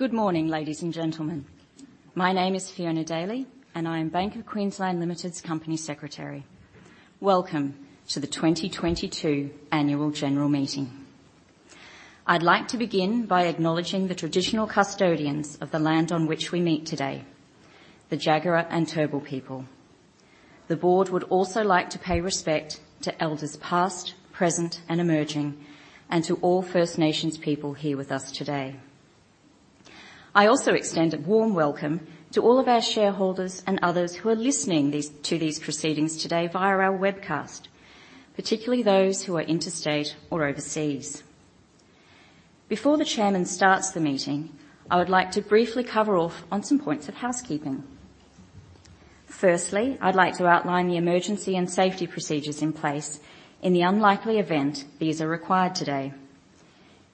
Good morning, ladies and gentlemen. My name is Fiona Daly, and I am Bank of Queensland Limited's Company Secretary. Welcome to the 2022 Annual General Meeting. I'd like to begin by acknowledging the traditional custodians of the land on which we meet today, the Jagera and Turrbal people. The board would also like to pay respect to elders past, present, and emerging, and to all First Nations people here with us today. I also extend a warm welcome to all of our shareholders and others who are listening to these proceedings today via our webcast, particularly those who are interstate or overseas. Before the chairman starts the meeting, I would like to briefly cover off on some points of housekeeping. Firstly, I'd like to outline the emergency and safety procedures in place in the unlikely event these are required today.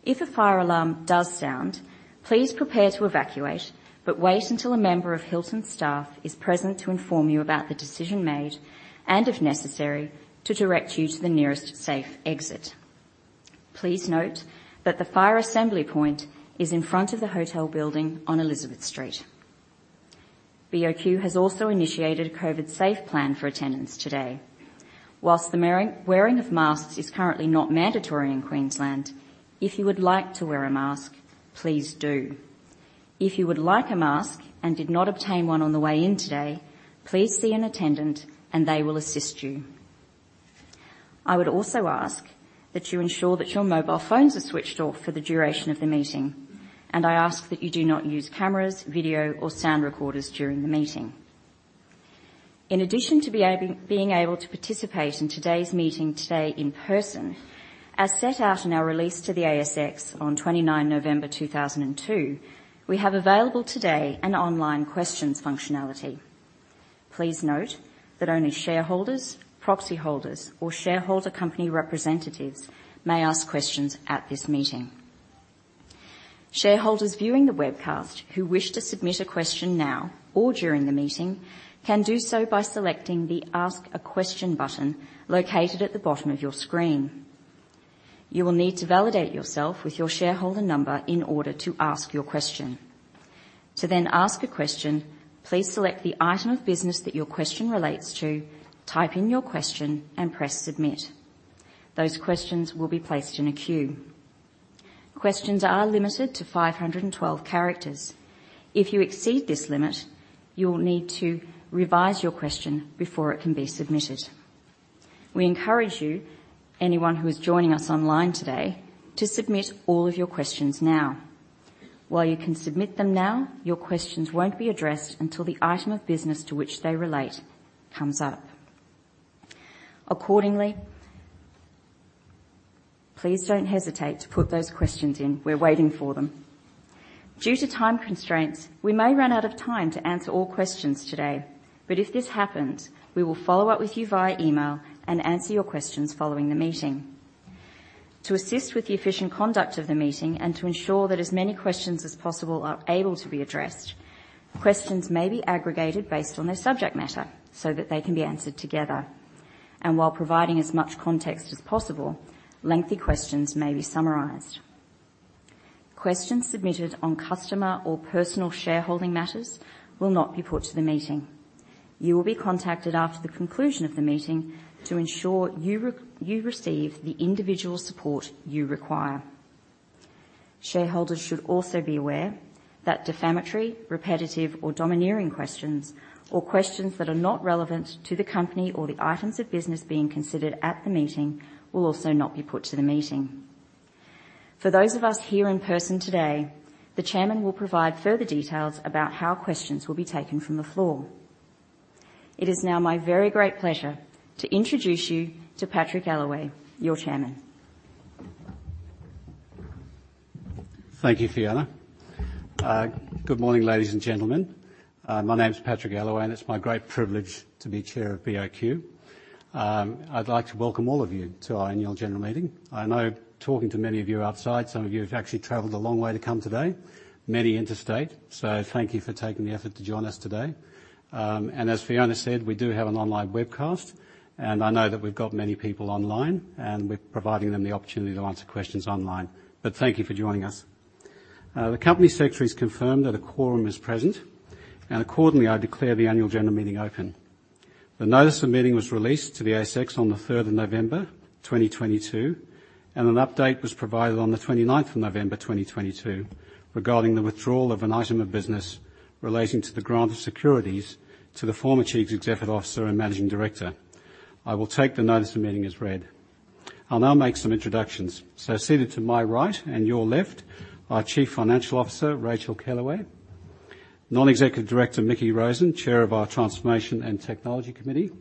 If a fire alarm does sound, please prepare to evacuate, but wait until a member of Hilton staff is present to inform you about the decision made, and if necessary, to direct you to the nearest safe exit. Please note that the fire assembly point is in front of the hotel building on Elizabeth Street. BOQ has also initiated a COVID safe plan for attendance today. Whilst the wearing of masks is currently not mandatory in Queensland, if you would like to wear a mask, please do. If you would like a mask and did not obtain one on the way in today, please see an attendant and they will assist you. I would also ask that you ensure that your mobile phones are switched off for the duration of the meeting, and I ask that you do not use cameras, video, or sound recorders during the meeting. In addition to being able to participate in today's meeting today in person, as set out in our release to the ASX on 29 November 2002, we have available today an online questions functionality. Please note that only shareholders, proxy holders, or shareholder company representatives may ask questions at this meeting. Shareholders viewing the webcast who wish to submit a question now or during the meeting can do so by selecting the Ask A Question button located at the bottom of your screen. You will need to validate yourself with your shareholder number in order to ask your question. To then ask a question, please select the item of business that your question relates to, type in your question, and press Submit. Those questions will be placed in a queue. Questions are limited to 512 characters. If you exceed this limit, you'll need to revise your question before it can be submitted. We encourage you, anyone who is joining us online today, to submit all of your questions now. While you can submit them now, your questions won't be addressed until the item of business to which they relate comes up. Accordingly, please don't hesitate to put those questions in. We're waiting for them. Due to time constraints, we may run out of time to answer all questions today, but if this happens, we will follow up with you via email and answer your questions following the meeting. To assist with the efficient conduct of the meeting and to ensure that as many questions as possible are able to be addressed, questions may be aggregated based on their subject matter so that they can be answered together. While providing as much context as possible, lengthy questions may be summarized. Questions submitted on customer or personal shareholding matters will not be put to the meeting. You will be contacted after the conclusion of the meeting to ensure you receive the individual support you require. Shareholders should also be aware that defamatory, repetitive, or domineering questions or questions that are not relevant to the company or the items of business being considered at the meeting will also not be put to the meeting. For those of us here in person today, the Chairman will provide further details about how questions will be taken from the floor. It is now my very great pleasure to introduce you to Patrick Allaway, your Chairman. Thank you, Fiona. Good morning, ladies and gentlemen. My name is Patrick Allaway, and it's my great privilege to be chair of BOQ. I'd like to welcome all of you to our annual general meeting. I know talking to many of you outside, some of you have actually traveled a long way to come today, many interstate, so thank you for taking the effort to join us today. And as Fiona said, we do have an online webcast, and I know that we've got many people online, and we're providing them the opportunity to answer questions online. Thank you for joining us. The company secretary's confirmed that a quorum is present, and accordingly, I declare the annual general meeting open. The notice of meeting was released to the ASX on the 3rd of November, 2022, and an update was provided on the 29th of November, 2022 regarding the withdrawal of an item of business relating to the grant of securities to the former Chief Executive Officer and Managing Director. I will take the notice of the meeting as read. I'll now make some introductions. Seated to my right and your left, our Chief Financial Officer, Rachael Kellaway. Non-executive Director, Mickie Rosen, Chair of our Transformation & Technology Committee.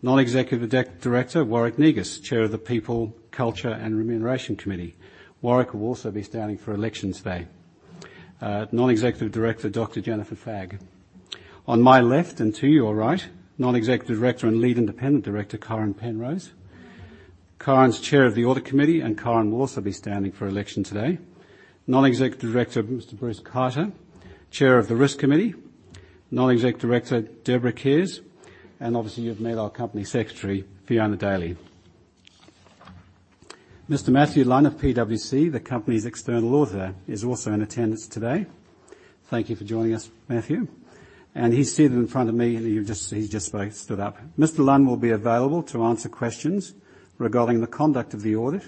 Non-executive Director, Warwick Negus, Chair of the People, Culture & Remuneration Committee. Warwick will also be standing for election today. Non-executive Director, Dr. Jennifer Fagg. On my left and to your right, Non-executive Director and Lead Independent Director, Karen Penrose. Karen's Chair of the Audit Committee, and Karen will also be standing for election today. Non-executive Director, Mr. Bruce Carter, Chair of the Risk Committee. Non-exec Director, Deborah Kiers. Obviously, you've met our Company Secretary, Fiona Daly. Mr. Matthew Lunn of PwC, the company's external auditor, is also in attendance today. Thank you for joining us, Matthew. He's seated in front of me. He just stood up. Mr. Lunn will be available to answer questions regarding the conduct of the audit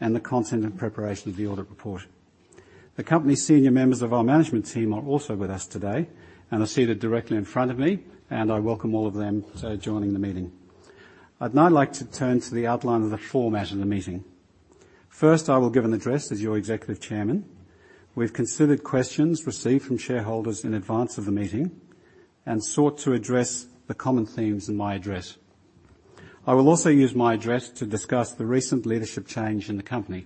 and the content and preparation of the audit report. The company's senior members of our management team are also with us today and are seated directly in front of me, and I welcome all of them to joining the meeting. I'd now like to turn to the outline of the format of the meeting. First, I will give an address as your Executive Chairman. We've considered questions received from shareholders in advance of the meeting and sought to address the common themes in my address. I will also use my address to discuss the recent leadership change in the company.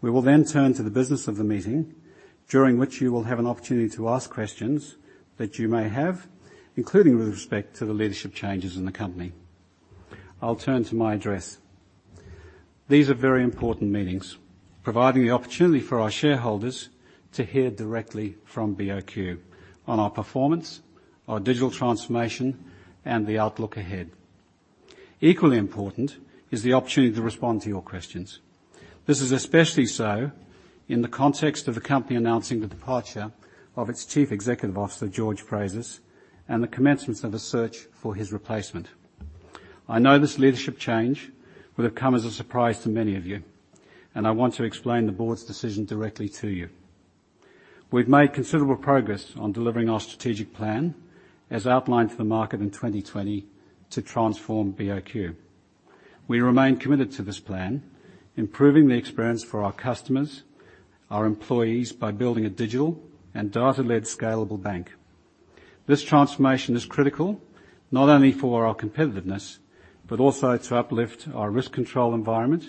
We will turn to the business of the meeting, during which you will have an opportunity to ask questions that you may have, including with respect to the leadership changes in the company. I'll turn to my address. These are very important meetings, providing the opportunity for our shareholders to hear directly from BOQ on our performance, our digital transformation, and the outlook ahead. Equally important is the opportunity to respond to your questions. This is especially so in the context of the company announcing the departure of its chief executive officer, George Frazis, and the commencement of a search for his replacement. I know this leadership change will have come as a surprise to many of you, and I want to explain the board's decision directly to you. We've made considerable progress on delivering our strategic plan as outlined for the market in 2020 to transform BOQ. We remain committed to this plan, improving the experience for our customers, our employees, by building a digital and data-led scalable bank. This transformation is critical not only for our competitiveness, but also to uplift our risk control environment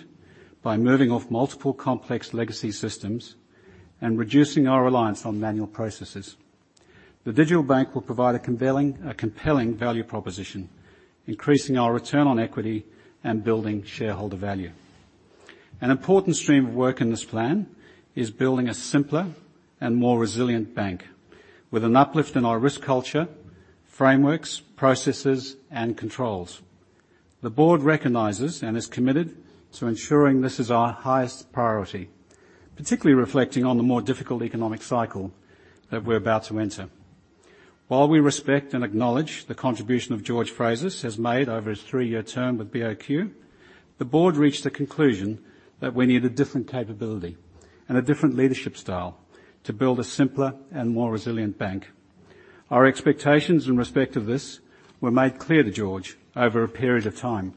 by moving off multiple complex legacy systems and reducing our reliance on manual processes. The digital bank will provide a compelling value proposition, increasing our return on equity and building shareholder value. An important stream of work in this plan is building a simpler and more resilient bank with an uplift in our risk culture, frameworks, processes, and controls. The board recognizes and is committed to ensuring this is our highest priority, particularly reflecting on the more difficult economic cycle that we're about to enter. While we respect and acknowledge the contribution of George Frazis has made over his three-year term with BOQ, the board reached a conclusion that we need a different capability and a different leadership style to build a simpler and more resilient bank. Our expectations in respect of this were made clear to George over a period of time.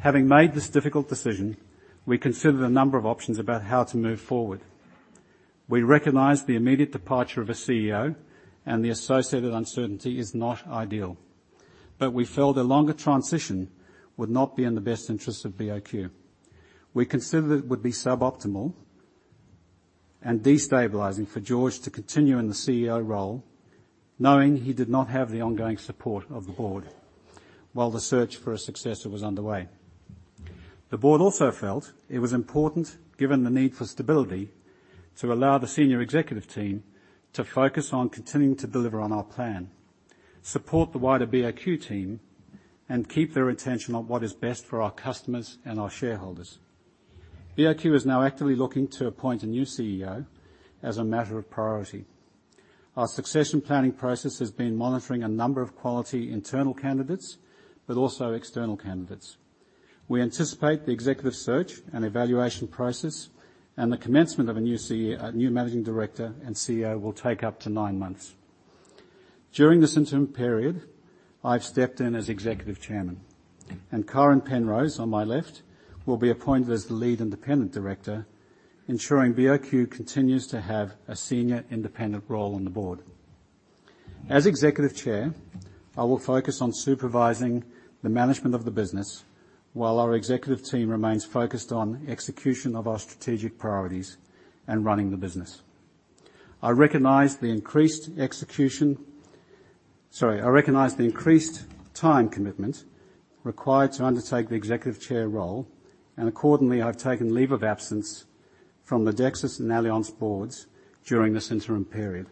Having made this difficult decision, we considered a number of options about how to move forward. We recognize the immediate departure of a CEO and the associated uncertainty is not ideal, but we felt a longer transition would not be in the best interest of BOQ. We considered it would be suboptimal and destabilizing for George to continue in the CEO role, knowing he did not have the ongoing support of the Board while the search for a successor was underway. The Board also felt it was important, given the need for stability, to allow the senior executive team to focus on continuing to deliver on our plan, support the wider BOQ team, and keep their attention on what is best for our customers and our shareholders. BOQ is now actively looking to appoint a new CEO as a matter of priority. Our succession planning process has been monitoring a number of quality internal candidates, but also external candidates. We anticipate the executive search and evaluation process and the commencement of a new Managing Director and Chief Executive Officer will take up to nine months. During this interim period, I've stepped in as executive chairman, and Karen Penrose on my left, will be appointed as the Lead Independent Director, ensuring BOQ continues to have a senior independent role on the board. As executive chair, I will focus on supervising the management of the business while our executive team remains focused on execution of our strategic priorities and running the business. I recognize the increased time commitment required to undertake the executive chair role, and accordingly, I've taken leave of absence from the Dexus and Allianz boards during this interim period.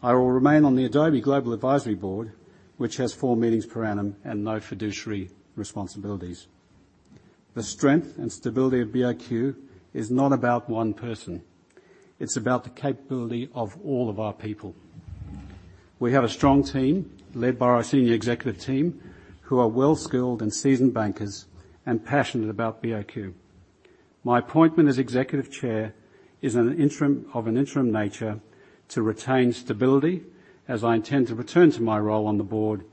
I will remain on the Adobe Global Advisory Board, which has four meetings per annum and no fiduciary responsibilities. The strength and stability of BOQ is not about one person. It's about the capability of all of our people. We have a strong team led by our senior executive team, who are well-skilled and seasoned bankers and passionate about BOQ. My appointment as executive chair is of an interim nature to retain stability, as I intend to return to my role on the board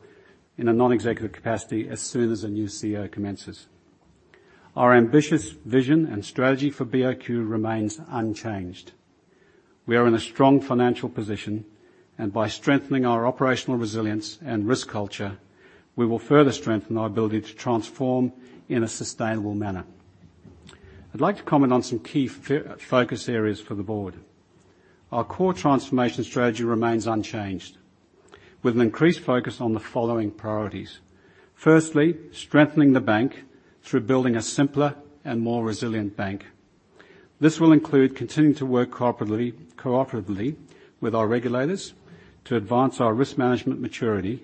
in a non-executive capacity as soon as a new CEO commences. Our ambitious vision and strategy for BOQ remains unchanged. We are in a strong financial position, and by strengthening our operational resilience and risk culture, we will further strengthen our ability to transform in a sustainable manner. I'd like to comment on some key focus areas for the board. Our core transformation strategy remains unchanged, with an increased focus on the following priorities. Firstly, strengthening the bank through building a simpler and more resilient bank. This will include continuing to work cooperatively with our regulators to advance our risk management maturity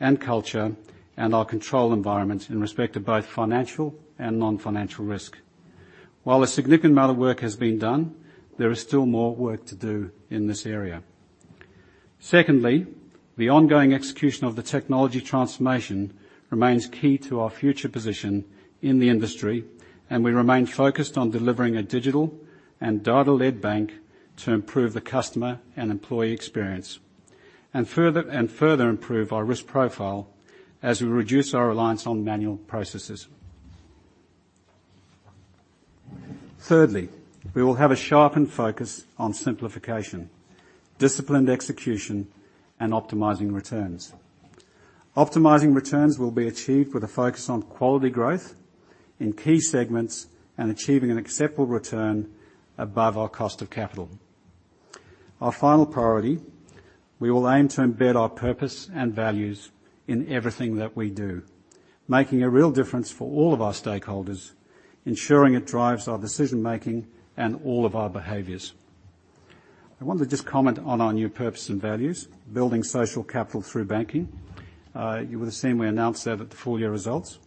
and culture and our control environment in respect to both financial and non-financial risk. While a significant amount of work has been done, there is still more work to do in this area. Secondly, the ongoing execution of the technology transformation remains key to our future position in the industry, and we remain focused on delivering a digital and data-led bank to improve the customer and employee experience and further improve our risk profile as we reduce our reliance on manual processes. Thirdly, we will have a sharpened focus on simplification, disciplined execution, and optimizing returns. Optimizing returns will be achieved with a focus on quality growth in key segments and achieving an acceptable return above our cost of capital. Our final priority, we will aim to embed our purpose and values in everything that we do, making a real difference for all of our stakeholders, ensuring it drives our decision-making and all of our behaviors. I want to just comment on our new purpose and values, building social capital through banking. You would have seen we announced that at the full year results.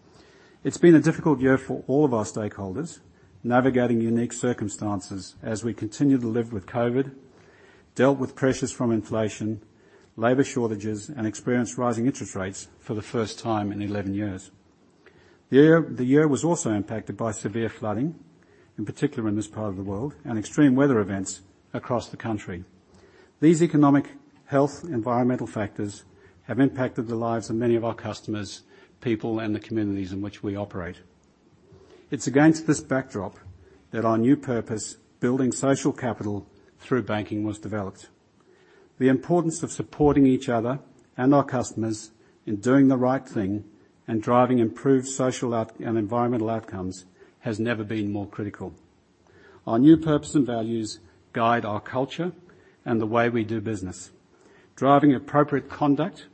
It's been a difficult year for all of our stakeholders, navigating unique circumstances as we continue to live with COVID, dealt with pressures from inflation, labor shortages, and experienced rising interest rates for the first time in 11 years. The year was also impacted by severe flooding, in particular in this part of the world, and extreme weather events across the country. These economic health environmental factors have impacted the lives of many of our customers, people, and the communities in which we operate. It's against this backdrop that our new purpose, building social capital through banking, was developed. The importance of supporting each other and our customers in doing the right thing and driving improved social and environmental outcomes has never been more critical. Our new purpose and values guide our culture and the way we do business, driving appropriate conduct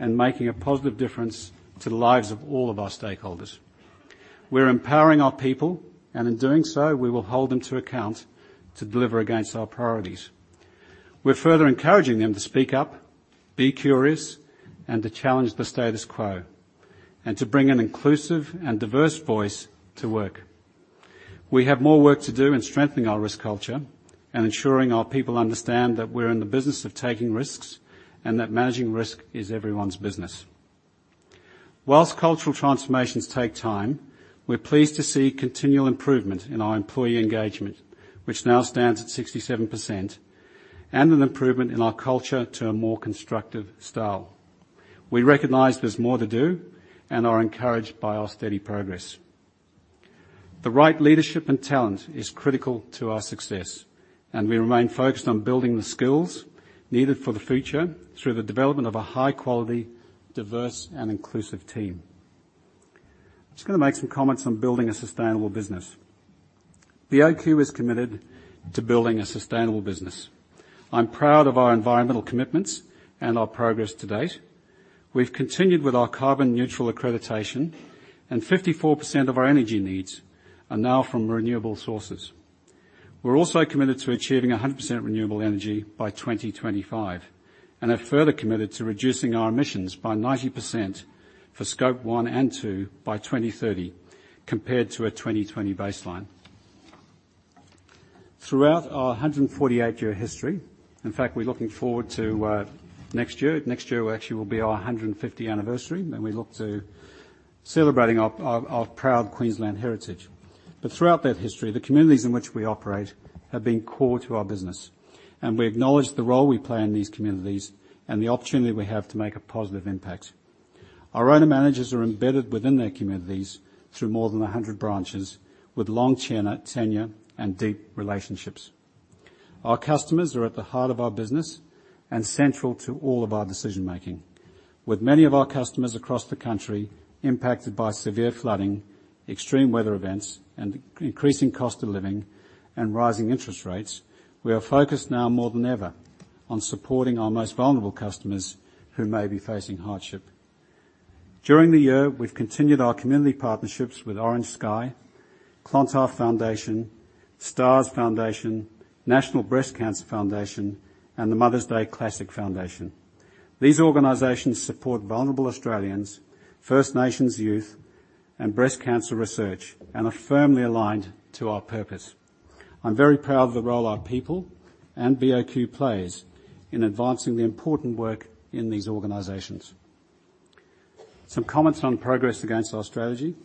and making a positive difference to the lives of all of our stakeholders. We're empowering our people, and in doing so, we will hold them to account to deliver against our priorities. We're further encouraging them to speak up, be curious, and to challenge the status quo, and to bring an inclusive and diverse voice to work. We have more work to do in strengthening our risk culture and ensuring our people understand that we're in the business of taking risks and that managing risk is everyone's business. Whilst cultural transformations take time, we're pleased to see continual improvement in our employee engagement, which now stands at 67%, and an improvement in our culture to a more constructive style. We recognize there's more to do and are encouraged by our steady progress. The right leadership and talent is critical to our success, and we remain focused on building the skills needed for the future through the development of a high-quality, diverse, and inclusive team. Just gonna make some comments on building a sustainable business. BOQ is committed to building a sustainable business. I'm proud of our environmental commitments and our progress to date. We've continued with our carbon neutral accreditation and 54% of our energy needs are now from renewable sources. We're also committed to achieving 100% renewable energy by 2025, and are further committed to reducing our emissions by 90% for Scope 1 and 2 by 2030 compared to a 2020 baseline. Throughout our 148 year history, in fact, we're looking forward to next year. Next year actually will be our 150 anniversary, and we look to celebrating our proud Queensland heritage. Throughout that history, the communities in which we operate have been core to our business, and we acknowledge the role we play in these communities and the opportunity we have to make a positive impact. Our owner managers are embedded within their communities through more than 100 branches with long tenure and deep relationships. Our customers are at the heart of our business and central to all of our decision-making. With many of our customers across the country impacted by severe flooding, extreme weather events, and increasing cost of living and rising interest rates, we are focused now more than ever on supporting our most vulnerable customers who may be facing hardship. During the year, we've continued our community partnerships with Orange Sky, Clontarf Foundation, Stars Foundation, National Breast Cancer Foundation, and the Mother's Day Classic Foundation. These organizations support vulnerable Australians, First Nations youth, and breast cancer research, and are firmly aligned to our purpose. I'm very proud of the role our people and BOQ plays in advancing the important work in these organizations. Some comments on progress against our strategy.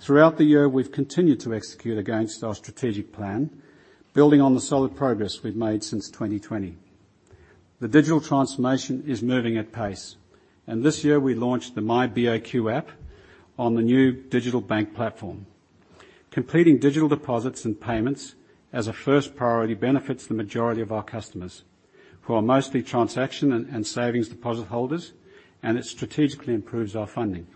Throughout the year, we've continued to execute against our strategic plan, building on the solid progress we've made since 2020. The digital transformation is moving at pace. This year we launched the myBOQ app on the new digital bank platform. Completing digital deposits and payments as a first priority benefits the majority of our customers who are mostly transaction and savings deposit holders. It strategically improves our funding.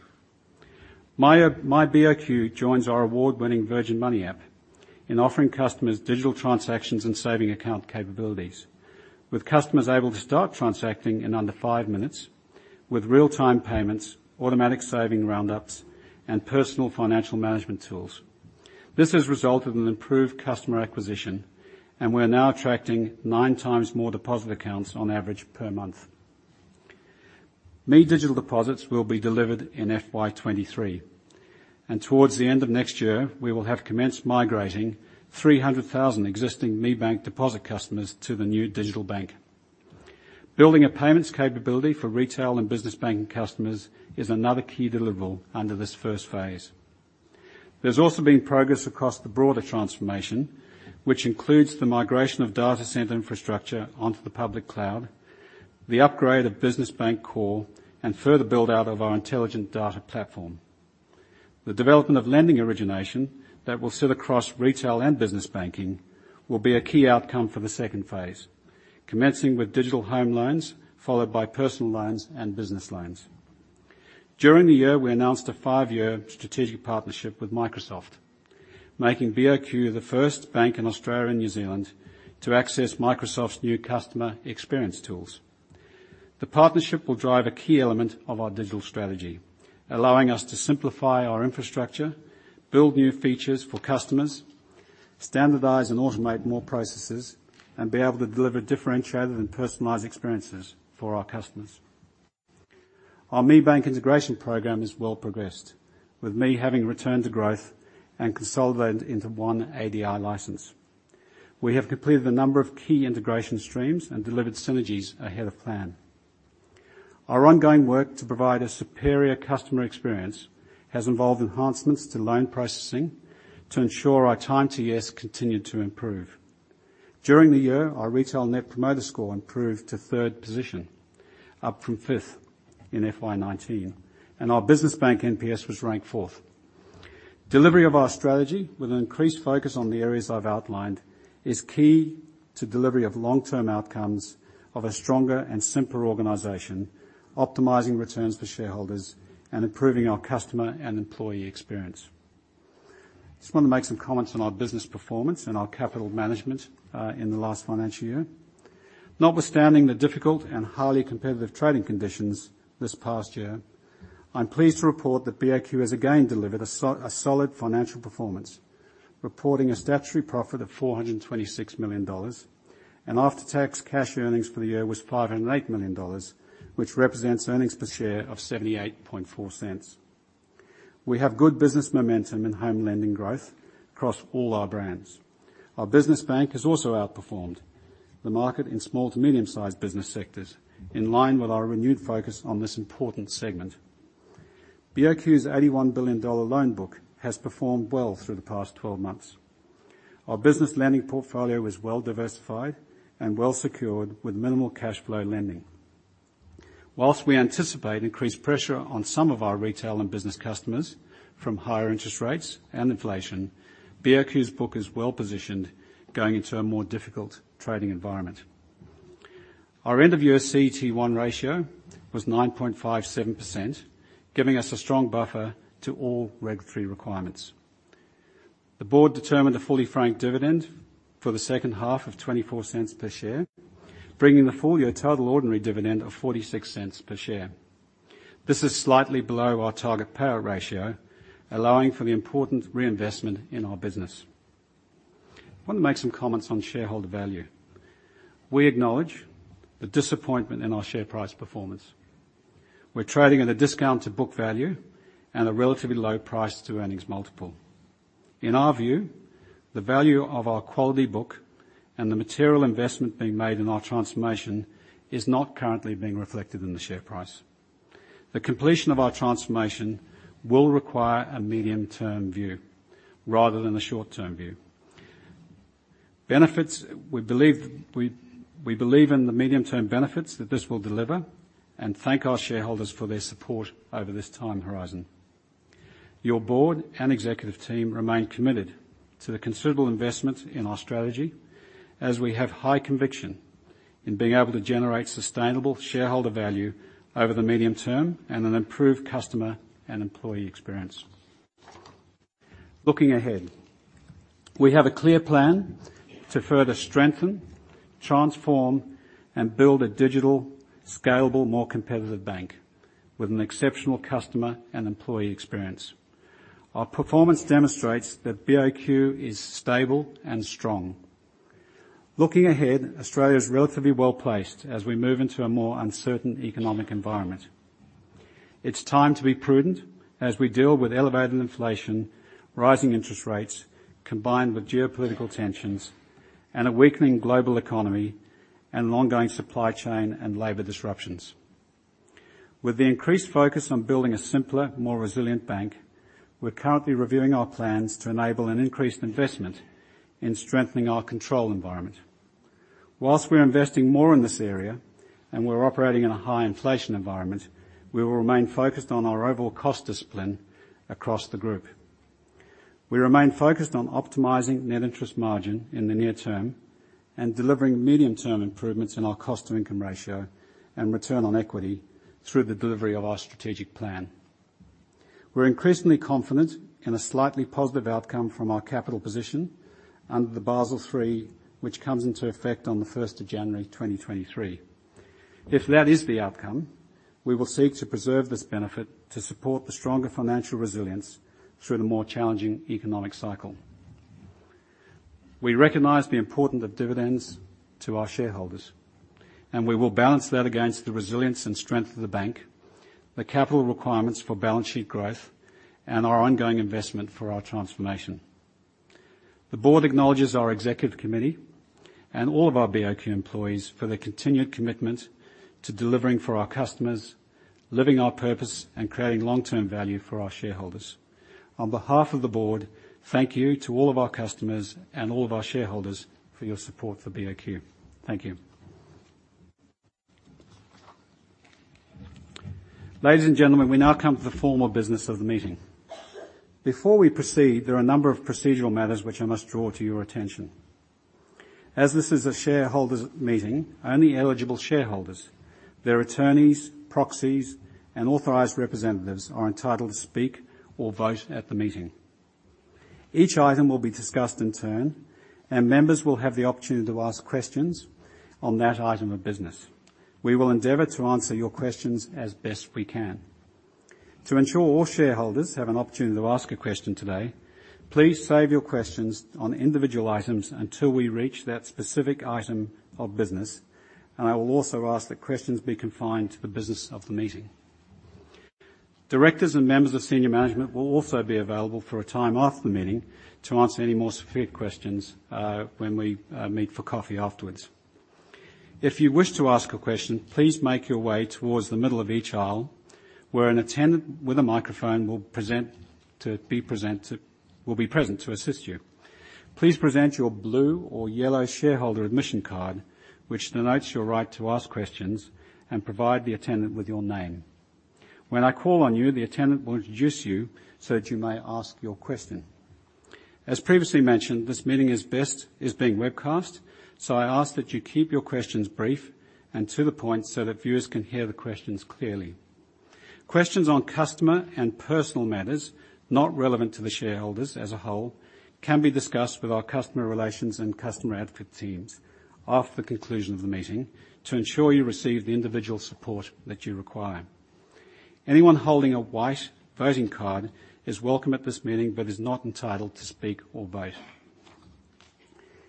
My BOQ joins our award-winning Virgin Money app in offering customers digital transactions and savings account capabilities. With customers able to start transacting in under five minutes, with real-time payments, automatic savings roundups, and personal financial management tools. This has resulted in improved customer acquisition. We're now attracting 9x more deposit accounts on average per month. ME Digital deposits will be delivered in FY 2023. Towards the end of next year, we will have commenced migrating 300,000 existing ME Bank deposit customers to the new digital bank. Building a payments capability for retail and business banking customers is another key deliverable under this first phase. There's also been progress across the broader transformation, which includes the migration of data center infrastructure onto the public cloud, the upgrade of business bank core, and further build-out of our intelligent data platform. The development of lending origination that will sit across retail and business banking will be a key outcome for the second phase, commencing with digital home loans, followed by personal loans and business loans. During the year, we announced a five-year strategic partnership with Microsoft, making BOQ the first bank in Australia and New Zealand to access Microsoft's new customer experience tools. The partnership will drive a key element of our digital strategy, allowing us to simplify our infrastructure, build new features for customers, standardize and automate more processes, and be able to deliver differentiated and personalized experiences for our customers. Our ME Bank integration program is well progressed, with ME having returned to growth and consolidated into one ADI license. We have completed a number of key integration streams and delivered synergies ahead of plan. Our ongoing work to provide a superior customer experience has involved enhancements to loan processing to ensure our time to yes continue to improve. During the year, our retail Net Promoter Score improved to third position, up from fifth in FY 2019, and our business bank NPS was ranked fourth. Delivery of our strategy with an increased focus on the areas I've outlined is key to delivery of long-term outcomes of a stronger and simpler organization, optimizing returns for shareholders, and improving our customer and employee experience. Just want to make some comments on our business performance and our capital management, in the last financial year. Notwithstanding the difficult and highly competitive trading conditions this past year, I'm pleased to report that BOQ has again delivered a solid financial performance, reporting a statutory profit of 426 million dollars and after-tax cash earnings for the year was 508 million dollars, which represents earnings per share of 0.784. We have good business momentum and home lending growth across all our brands. Our business bank has also outperformed the market in small to medium-sized business sectors, in line with our renewed focus on this important segment. BOQ's 81 billion dollar loan book has performed well through the past 12 months. Our business lending portfolio is well diversified and well secured with minimal cash flow lending. Whilst we anticipate increased pressure on some of our retail and business customers from higher interest rates and inflation, BOQ's book is well-positioned going into a more difficult trading environment. Our end-of-year CET1 ratio was 9.57%, giving us a strong buffer to all Basel III requirements. The board determined a fully franked dividend for the second half of 0.24 per share, bringing the full-year total ordinary dividend of 0.46 per share. This is slightly below our target payout ratio, allowing for the important reinvestment in our business. Want to make some comments on shareholder value. We acknowledge the disappointment in our share price performance. We're trading at a discount to book value and a relatively low price to earnings multiple. In our view, the value of our quality book and the material investment being made in our transformation is not currently being reflected in the share price. The completion of our transformation will require a medium-term view rather than a short-term view. Benefits, we believe, we believe in the medium-term benefits that this will deliver and thank our shareholders for their support over this time horizon. Your board and executive team remain committed to the considerable investment in our strategy as we have high conviction in being able to generate sustainable shareholder value over the medium term and an improved customer and employee experience. Looking ahead, we have a clear plan to further strengthen, transform, and build a digital, scalable, more competitive bank with an exceptional customer and employee experience. Our performance demonstrates that BOQ is stable and strong. Looking ahead, Australia is relatively well-placed as we move into a more uncertain economic environment. It's time to be prudent as we deal with elevated inflation, rising interest rates, combined with geopolitical tensions and a weakening global economy and ongoing supply chain and labor disruptions. With the increased focus on building a simpler, more resilient bank, we're currently reviewing our plans to enable an increased investment in strengthening our control environment. Whilst we're investing more in this area and we're operating in a high inflation environment, we will remain focused on our overall cost discipline across the group. We remain focused on optimizing net interest margin in the near term and delivering medium-term improvements in our cost to income ratio and return on equity through the delivery of our strategic plan. We're increasingly confident in a slightly positive outcome from our capital position under the Basel III, which comes into effect on the 1st of January, 2023. If that is the outcome, we will seek to preserve this benefit to support the stronger financial resilience through the more challenging economic cycle. We recognize the importance of dividends to our shareholders, and we will balance that against the resilience and strength of the bank, the capital requirements for balance sheet growth, and our ongoing investment for our transformation. The board acknowledges our executive committee and all of our BOQ employees for their continued commitment to delivering for our customers, living our purpose, and creating long-term value for our shareholders. On behalf of the board, thank you to all of our customers and all of our shareholders for your support for BOQ. Thank you. Ladies and gentlemen, we now come to the formal business of the meeting. Before we proceed, there are a number of procedural matters which I must draw to your attention. As this is a shareholders meeting, only eligible shareholders, their attorneys, proxies, and authorized representatives are entitled to speak or vote at the meeting. Each item will be discussed in turn, and members will have the opportunity to ask questions on that item of business. We will endeavor to answer your questions as best we can. To ensure all shareholders have an opportunity to ask a question today, please save your questions on individual items until we reach that specific item of business. I will also ask that questions be confined to the business of the meeting. Directors and members of senior management will also be available for a time after the meeting to answer any more specific questions, when we meet for coffee afterwards. If you wish to ask a question, please make your way towards the middle of each aisle, where an attendant with a microphone will be present to assist you. Please present your blue or yellow shareholder admission card, which denotes your right to ask questions and provide the attendant with your name. When I call on you, the attendant will introduce you so that you may ask your question. As previously mentioned, this meeting is being webcast, so I ask that you keep your questions brief and to the point so that viewers can hear the questions clearly. Questions on customer and personal matters, not relevant to the shareholders as a whole, can be discussed with our customer relations and customer advocate teams after the conclusion of the meeting to ensure you receive the individual support that you require. Anyone holding a white voting card is welcome at this meeting, but is not entitled to speak or vote.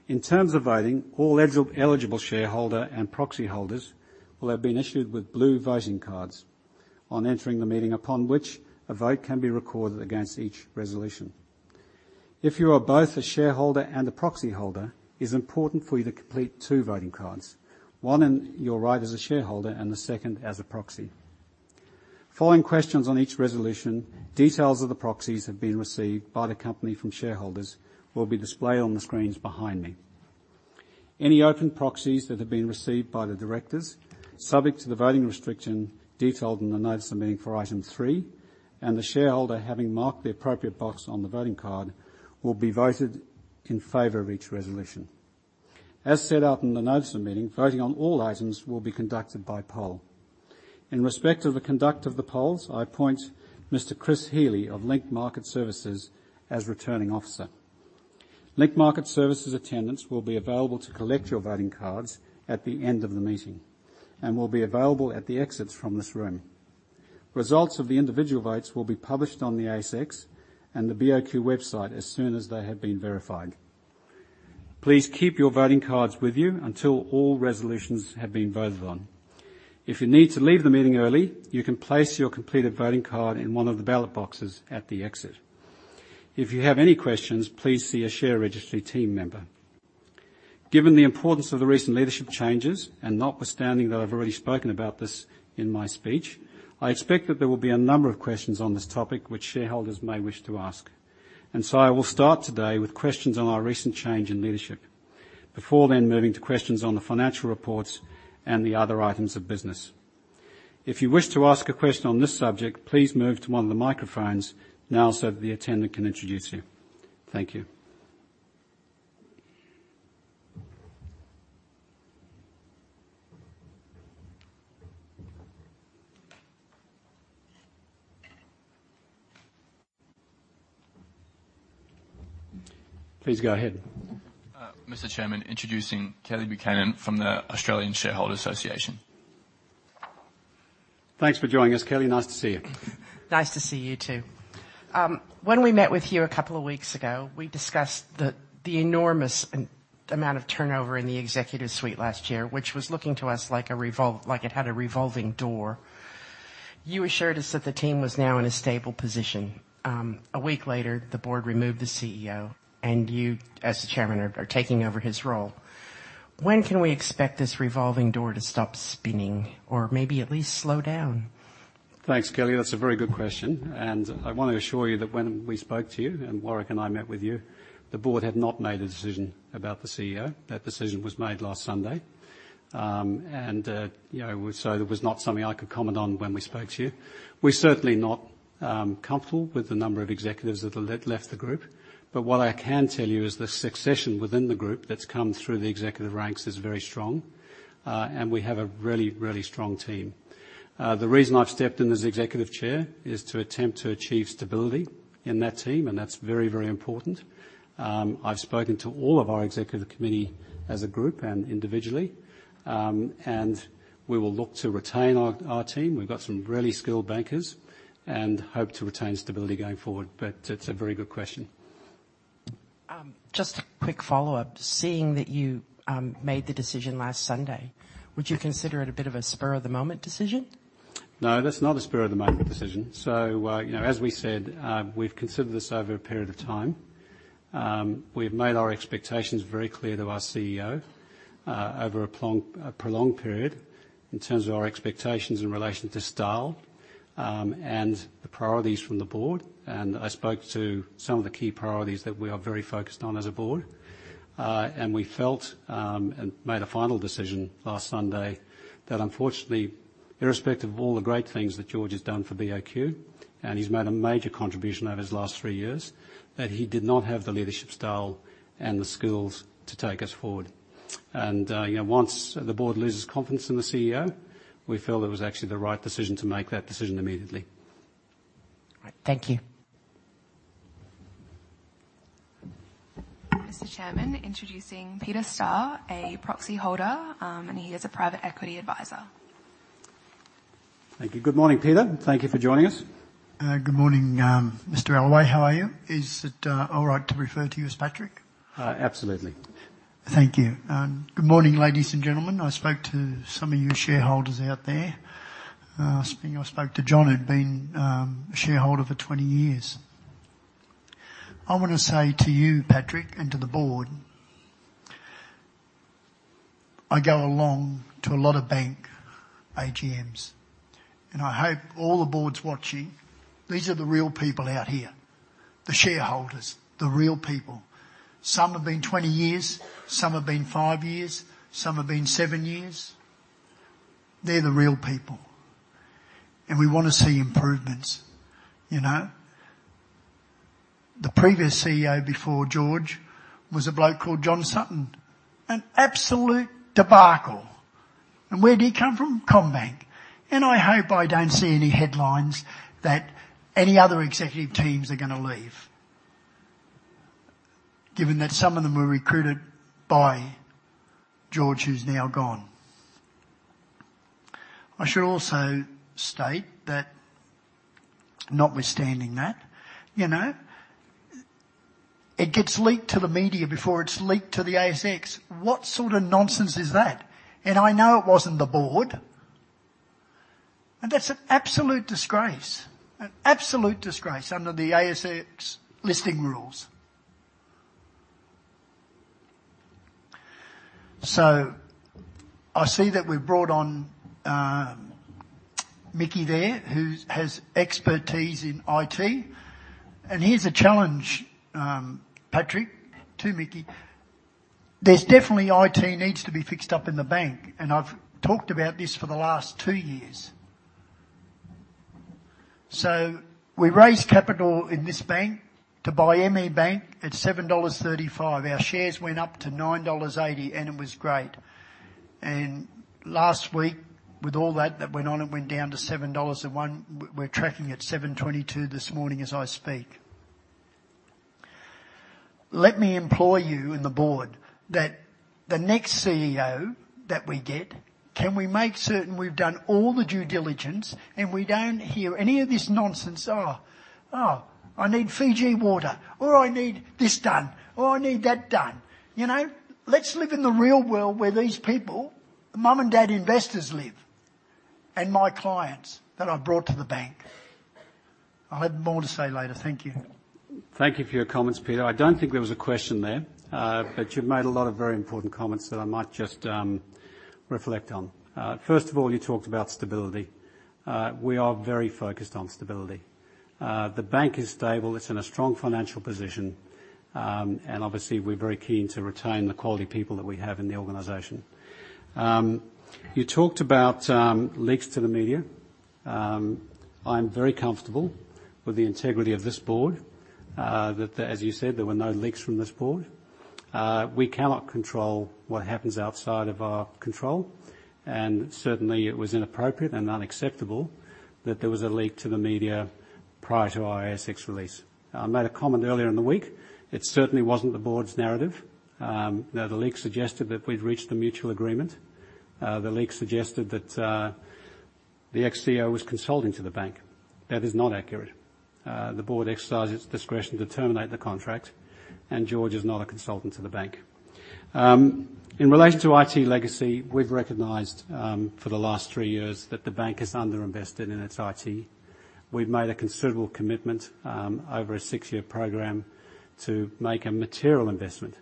In terms of voting, all eligible shareholder and proxy holders will have been issued with blue voting cards on entering the meeting upon which a vote can be recorded against each resolution. If you are both a shareholder and a proxy holder, it is important for you to complete two voting cards, one in your right as a shareholder and the second as a proxy. Following questions on each resolution, details of the proxies have been received by the company from shareholders will be displayed on the screens behind me. Any open proxies that have been received by the directors, subject to the voting restriction detailed in the notice of meeting for item three, and the shareholder having marked the appropriate box on the voting card, will be voted in favor of each resolution. As set out in the notice of meeting, voting on all items will be conducted by poll. In respect of the conduct of the polls, I appoint Mr. Chris Healy of Link Market Services as Returning Officer. Link Market Services' attendants will be available to collect your voting cards at the end of the meeting and will be available at the exits from this room. Results of the individual votes will be published on the ASX and the BOQ website as soon as they have been verified. Please keep your voting cards with you until all resolutions have been voted on. If you need to leave the meeting early, you can place your completed voting card in one of the ballot boxes at the exit. If you have any questions, please see a share registry team member. Given the importance of the recent leadership changes, and notwithstanding that I've already spoken about this in my speech, I expect that there will be a number of questions on this topic which shareholders may wish to ask. I will start today with questions on our recent change in leadership before then moving to questions on the financial reports and the other items of business. If you wish to ask a question on this subject, please move to one of the microphones now so that the attendant can introduce you. Thank you. Please go ahead. Mr. Chairman, introducing Kelly Buchanan from the Australian Shareholders' Association. Thanks for joining us, Kelly. Nice to see you. Nice to see you too. When we met with you a couple of weeks ago, we discussed the enormous amount of turnover in the executive suite last year, which was looking to us like it had a revolving door. You assured us that the team was now in a stable position. A week later, the board removed the CEO, and you, as the Chairman, are taking over his role. When can we expect this revolving door to stop spinning or maybe at least slow down? Thanks, Kelly. That's a very good question, and I want to assure you that when we spoke to you, and Warwick and I met with you, the board had not made a decision about the CEO. That decision was made last Sunday. You know, so it was not something I could comment on when we spoke to you. We're certainly not comfortable with the number of executives that have left the group. What I can tell you is the succession within the group that's come through the executive ranks is very strong, and we have a really, really strong team. The reason I've stepped in as executive chair is to attempt to achieve stability in that team, and that's very, very important. I've spoken to all of our executive committee as a group and individually, we will look to retain our team. We've got some really skilled bankers and hope to retain stability going forward. It's a very good question. Just a quick follow-up. Seeing that you made the decision last Sunday, would you consider it a bit of a spur-of-the-moment decision? No, that's not a spur-of-the-moment decision. you know, as we said, we've considered this over a period of time. We've made our expectations very clear to our CEO, over a prolonged period in terms of our expectations in relation to style, and the priorities from the board. I spoke to some of the key priorities that we are very focused on as a board. We felt, and made a final decision last Sunday that unfortunately, irrespective of all the great things that George has done for BOQ, he's made a major contribution over his last three years, that he did not have the leadership style and the skills to take us forward. you know, once the board loses confidence in the CEO, we feel it was actually the right decision to make that decision immediately. All right. Thank you. Mr. Chairman, introducing Peter Starr, a Proxy Holder, and he is a private equity advisor. Thank you. Good morning, Peter. Thank you for joining us. Good morning, Mr. Allaway. How are you? Is it all right to refer to you as Patrick? Absolutely. Thank you. Good morning, ladies and gentlemen. I spoke to some of you shareholders out there. I spoke to John, who'd been a shareholder for 20 years. I wanna say to you, Patrick, and to the Board, I go along to a lot of bank AGMs, and I hope all the Board's watching. These are the real people out here, the shareholders, the real people. Some have been 20 years, some have been five years, some have been seven years. They're the real people. We wanna see improvements, you know. The previous CEO before George was a bloke called Jon Sutton, an absolute debacle. Where did he come from? CommBank. I hope I don't see any headlines that any other executive teams are gonna leave, given that some of them were recruited by George, who's now gone. I should also state that notwithstanding that, you know, it gets leaked to the media before it's leaked to the ASX. What sort of nonsense is that? I know it wasn't the board. That's an absolute disgrace. An absolute disgrace under the ASX listing rules. I see that we've brought on Mickie there, who has expertise in IT. Here's a challenge, Patrick, to Mickie. There's definitely IT needs to be fixed up in the bank, and I've talked about this for the last two years. We raised capital in this bank to buy ME Bank at 7.35 dollars. Our shares went up to 9.80 dollars, and it was great. Last week, with all that went on, it went down to 7.01 dollars. We're tracking at 7.22 this morning as I speak. Let me implore you and the board that the next CEO that we get, can we make certain we've done all the due diligence and we don't hear any of this nonsense, "Oh, oh, I need FIJI Water," or, "I need this done," or, "I need that done." You know? Let's live in the real world where these people, mum and dad investors live, and my clients that I've brought to the bank. I'll have more to say later. Thank you. Thank you for your comments, Peter. I don't think there was a question there, but you've made a lot of very important comments that I might just reflect on. First of all, you talked about stability. We are very focused on stability. The bank is stable. It's in a strong financial position. Obviously we're very keen to retain the quality people that we have in the organization. You talked about leaks to the media. I'm very comfortable with the integrity of this board, that, as you said, there were no leaks from this board. We cannot control what happens outside of our control, certainly it was inappropriate and unacceptable that there was a leak to the media prior to our ASX release. I made a comment earlier in the week. It certainly wasn't the board's narrative. You know, the leak suggested that we'd reached a mutual agreement. The leak suggested that the ex-CEO was consulting to the bank. That is not accurate. The board exercised its discretion to terminate the contract, and George is not a consultant to the bank. In relation to IT legacy, we've recognized for the last three years that the bank has underinvested in its IT. We've made a considerable commitment over a six-year program to make a material investment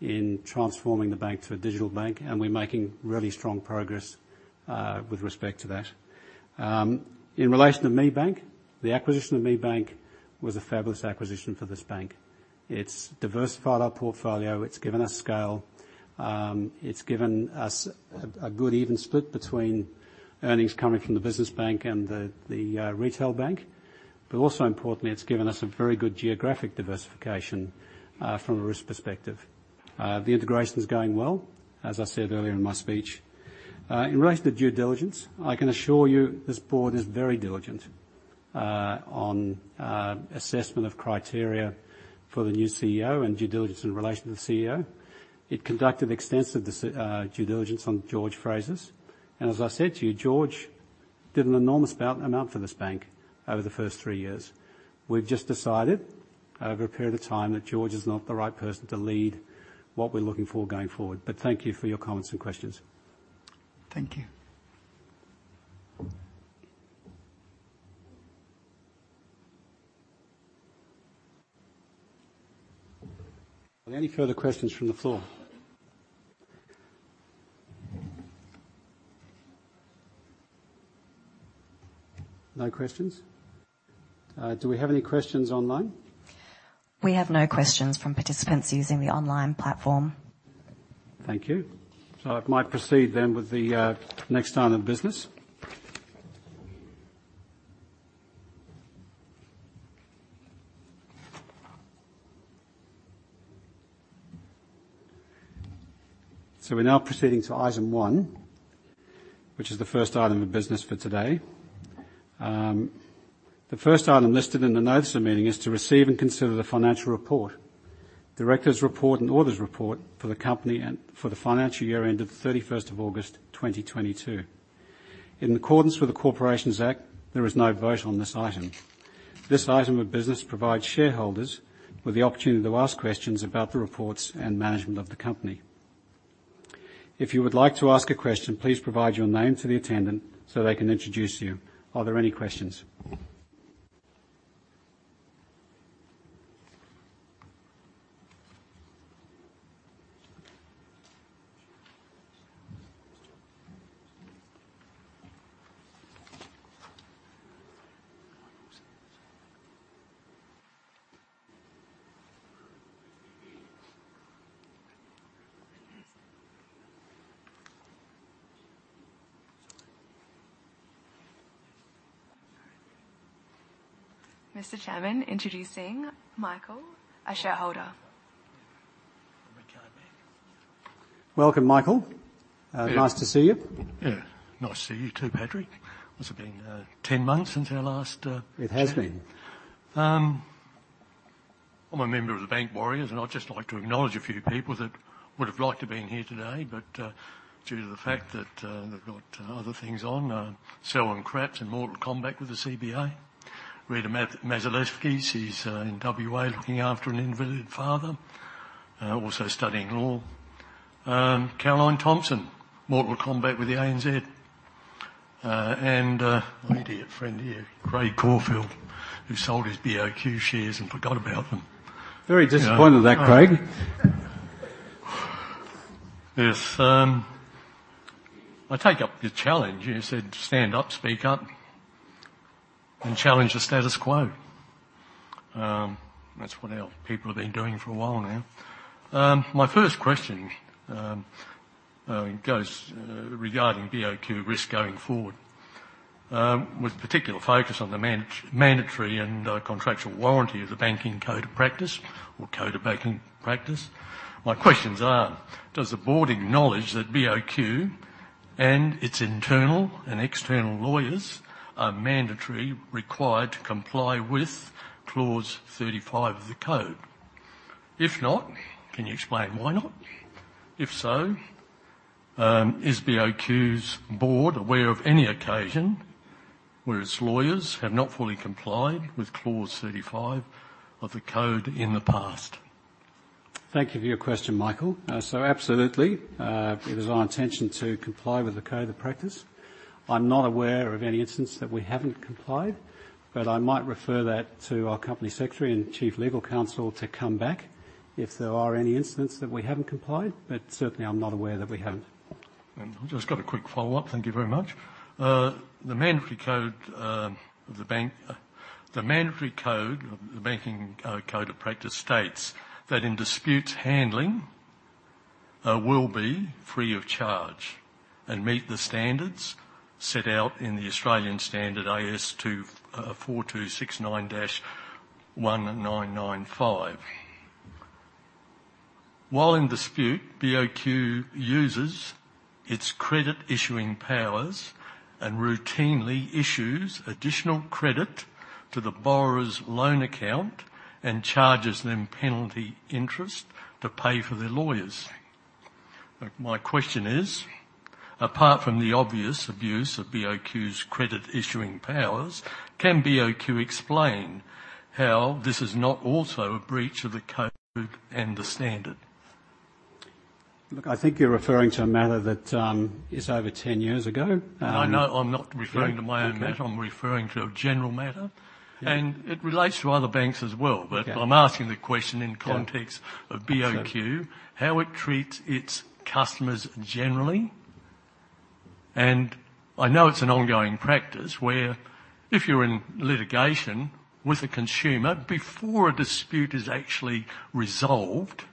in transforming the bank to a digital bank, and we're making really strong progress with respect to that. In relation to ME Bank, the acquisition of ME Bank was a fabulous acquisition for this bank. It's diversified our portfolio. It's given us scale. It's given us a good even split between earnings coming from the business bank and the retail bank. Also importantly, it's given us a very good geographic diversification from a risk perspective. The integration is going well, as I said earlier in my speech. In relation to due diligence, I can assure you this board is very diligent on assessment of criteria for the new CEO and due diligence in relation to the CEO. It conducted extensive due diligence on George Frazis. As I said to you, George did an enormous amount for this bank over the first three years. We've just decided over a period of time that George is not the right person to lead what we're looking for going forward. Thank you for your comments and questions. Thank you. Are there any further questions from the floor? No questions? Do we have any questions online? We have no questions from participants using the online platform. Thank you. I might proceed then with the next item of business. We're now proceeding to item one, which is the first item of business for today. The first item listed in the notice of meeting is to receive and consider the financial report, director's report, and auditor's report for the company and for the financial year ended 31st of August, 2022. In accordance with the Corporations Act, there is no vote on this item. This item of business provides shareholders with the opportunity to ask questions about the reports and management of the company. If you would like to ask a question, please provide your name to the attendant so they can introduce you. Are there any questions? Mr. Chairman, introducing Michael, a shareholder. Welcome, Michael. Yeah. Nice to see you. Yeah. Nice to see you too, Patrick. What's it been, ten months since our last chat? It has been. I'm a member of the Bank Warriors. I'd just like to acknowledge a few people that would have liked to been here today, but due to the fact that they've got other things on, Selwyn Krepp in mortal combat with the CBA. Rita Mazalevskis, he's in WA looking after an invalid father, also studying law. Carolyn Thomson, mortal combat with the ANZ. My dear friend here, Craig Caulfield, who sold his BOQ shares and forgot about them. Very disappointed of that, Craig. Yes, I take up your challenge. You said, "Stand up, speak up, and challenge the status quo." That's what our people have been doing for a while now. My first question goes regarding BOQ risk going forward with particular focus on the mandatory and contractual warranty of the Banking Code of Practice or Banking Code of Practice. My questions are, does the board acknowledge that BOQ and its internal and external lawyers are mandatory required to comply with Clause 35 of the code? If not, can you explain why not? If so, is BOQ's board aware of any occasion where its lawyers have not fully complied with Clause 35 of the code in the past? Thank you for your question, Michael. Absolutely, it is our intention to comply with the Banking Code of Practice. I'm not aware of any instance that we haven't complied, I might refer that to our Company Secretary and chief legal counsel to come back if there are any incidents that we haven't complied. Certainly, I'm not aware that we haven't. I've just got a quick follow-up. Thank you very much. The mandatory code of the Banking Code of Practice states that in disputes handling, will be free of charge and meet the standards set out in the Australian Standard AS 4269-1995. While in dispute, BOQ uses its credit issuing powers and routinely issues additional credit to the borrower's loan account and charges them penalty interest to pay for their lawyers. My question is, apart from the obvious abuse of BOQ's credit issuing powers, can BOQ explain how this is not also a breach of the code and the standard? I think you're referring to a matter that is over 10 years ago. No, no, I'm not referring to my own matter. Yeah, okay. I'm referring to a general matter. Yeah. It relates to other banks as well. Okay. I'm asking the question in context. Yeah. ...of BOQ. That's it. How it treats its customers generally. I know it's an ongoing practice where if you're in litigation with a consumer, before a dispute is actually resolved,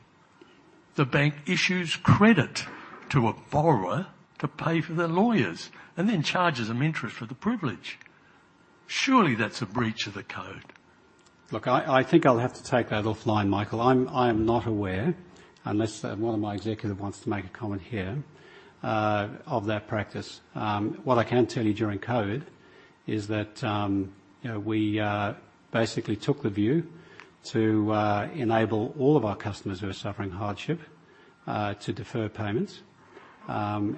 the bank issues credit to a borrower to pay for their lawyers and then charges them interest for the privilege. Surely that's a breach of the Code? Look, I think I'll have to take that offline, Michael. I am not aware, unless one of my executive wants to make a comment here of that practice. What I can tell you during Code is that, you know, we basically took the view to enable all of our customers who are suffering hardship to defer payments. With I'm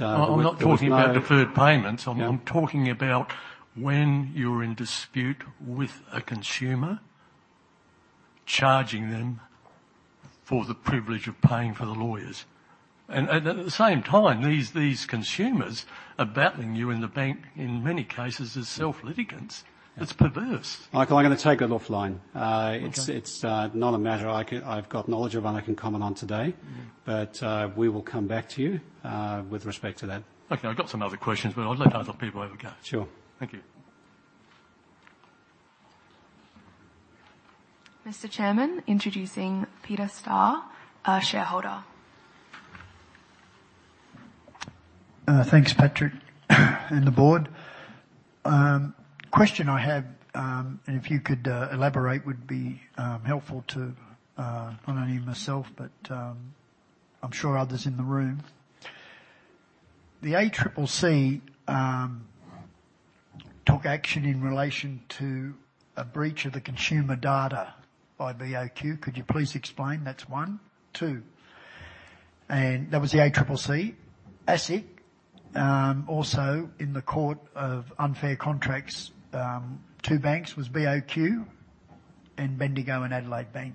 not talking about deferred payments. Yeah. I'm talking about when you're in dispute with a consumer, charging them for the privilege of paying for the lawyers. At the same time, these consumers are battling you and the bank in many cases as self-litigants. Yeah. It's perverse. Michael, I'm gonna take that offline. Okay. It's not a matter I've got knowledge of and I can comment on today, but, we will come back to you, with respect to that. Okay. I've got some other questions, but I'll let other people have a go. Sure. Thank you. Mr. Chairman, introducing Peter Starr, a shareholder. Thanks, Patrick and the board. Question I had, and if you could elaborate would be helpful to not only myself, but I'm sure others in the room. The ACCC took action in relation to a breach of the consumer data by BOQ. Could you please explain? That's one. Two, that was the ACCC, ASIC, also in the court of unfair contracts, two banks was BOQ and Bendigo and Adelaide Bank.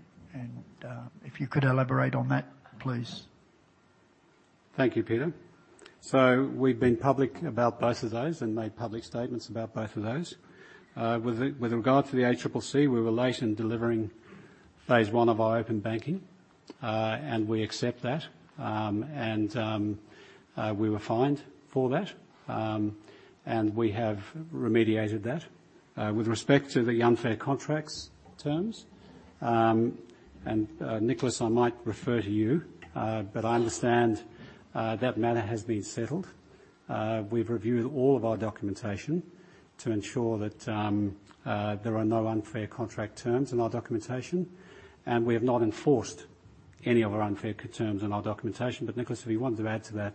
If you could elaborate on that, please. Thank you, Peter Starr. We've been public about both of those and made public statements about both of those. With regard to the ACCC, we were late in delivering phase one of our Open Banking, and we accept that. We were fined for that. We have remediated that. With respect to the unfair contracts terms, Warwick Negus, I might refer to you, I understand that matter has been settled. We've reviewed all of our documentation to ensure that there are no unfair contract terms in our documentation, and we have not enforced any of our unfair terms in our documentation. Warwick Negus, if you wanted to add to that,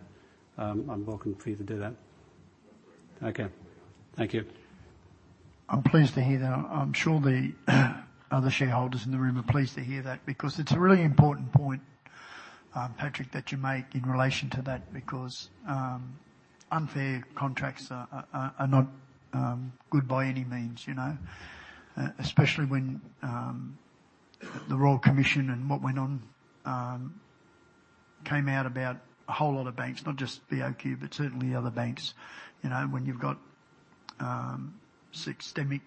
I'm welcome for you to do that. Okay. Thank you. I'm pleased to hear that. I'm sure the other shareholders in the room are pleased to hear that, because it's a really important point, Patrick, that you make in relation to that, because unfair contracts are not good by any means, you know? Especially when the Royal Commission and what went on came out about a whole lot of banks, not just BOQ, but certainly other banks. You know, when you've got systemic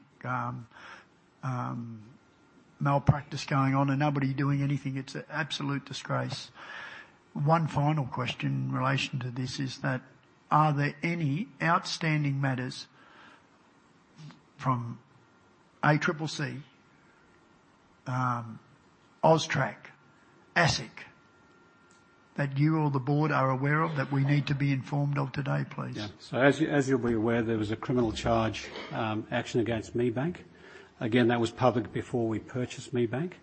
malpractice going on and nobody doing anything, it's an absolute disgrace. One final question in relation to this is that, are there any outstanding matters from ACCC, AUSTRAC, ASIC, that you or the board are aware of that we need to be informed of today, please? Yeah. As you, as you'll be aware, there was a criminal charge, action against ME Bank. Again, that was public before we purchased ME Bank.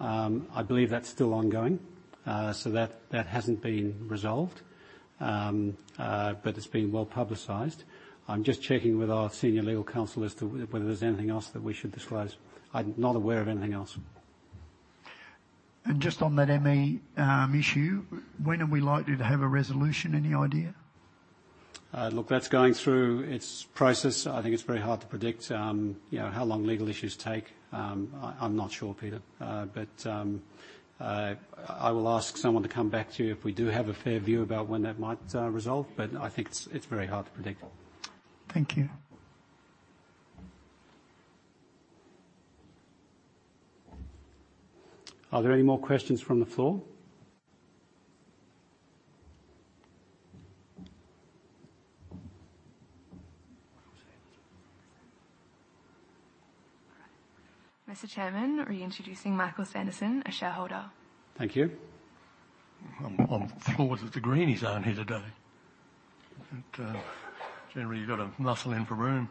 I believe that's still ongoing. That hasn't been resolved. It's been well publicized. I'm just checking with our senior legal counsel as to whether there's anything else that we should disclose. I'm not aware of anything else. Just on that ME issue, when are we likely to have a resolution? Any idea? Look, that's going through its process. I think it's very hard to predict, you know, how long legal issues take. I'm not sure, Peter. I will ask someone to come back to you if we do have a fair view about when that might resolve. I think it's very hard to predict. Thank you. Are there any more questions from the floor? Mr. Chairman, reintroducing Michael Sanderson, a shareholder. Thank you. I'm floored that the Greenies aren't here today. Generally, you've got to muscle in for room.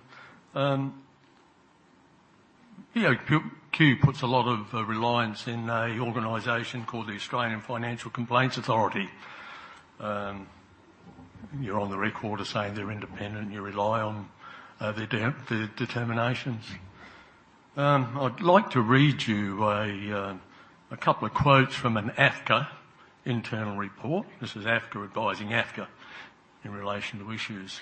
BOQ puts a lot of reliance in an organization called the Australian Financial Complaints Authority. You're on the record as saying they're independent, you rely on their determinations. I'd like to read you a couple of quotes from an AFCA internal report. This is AFCA advising AFCA in relation to issues.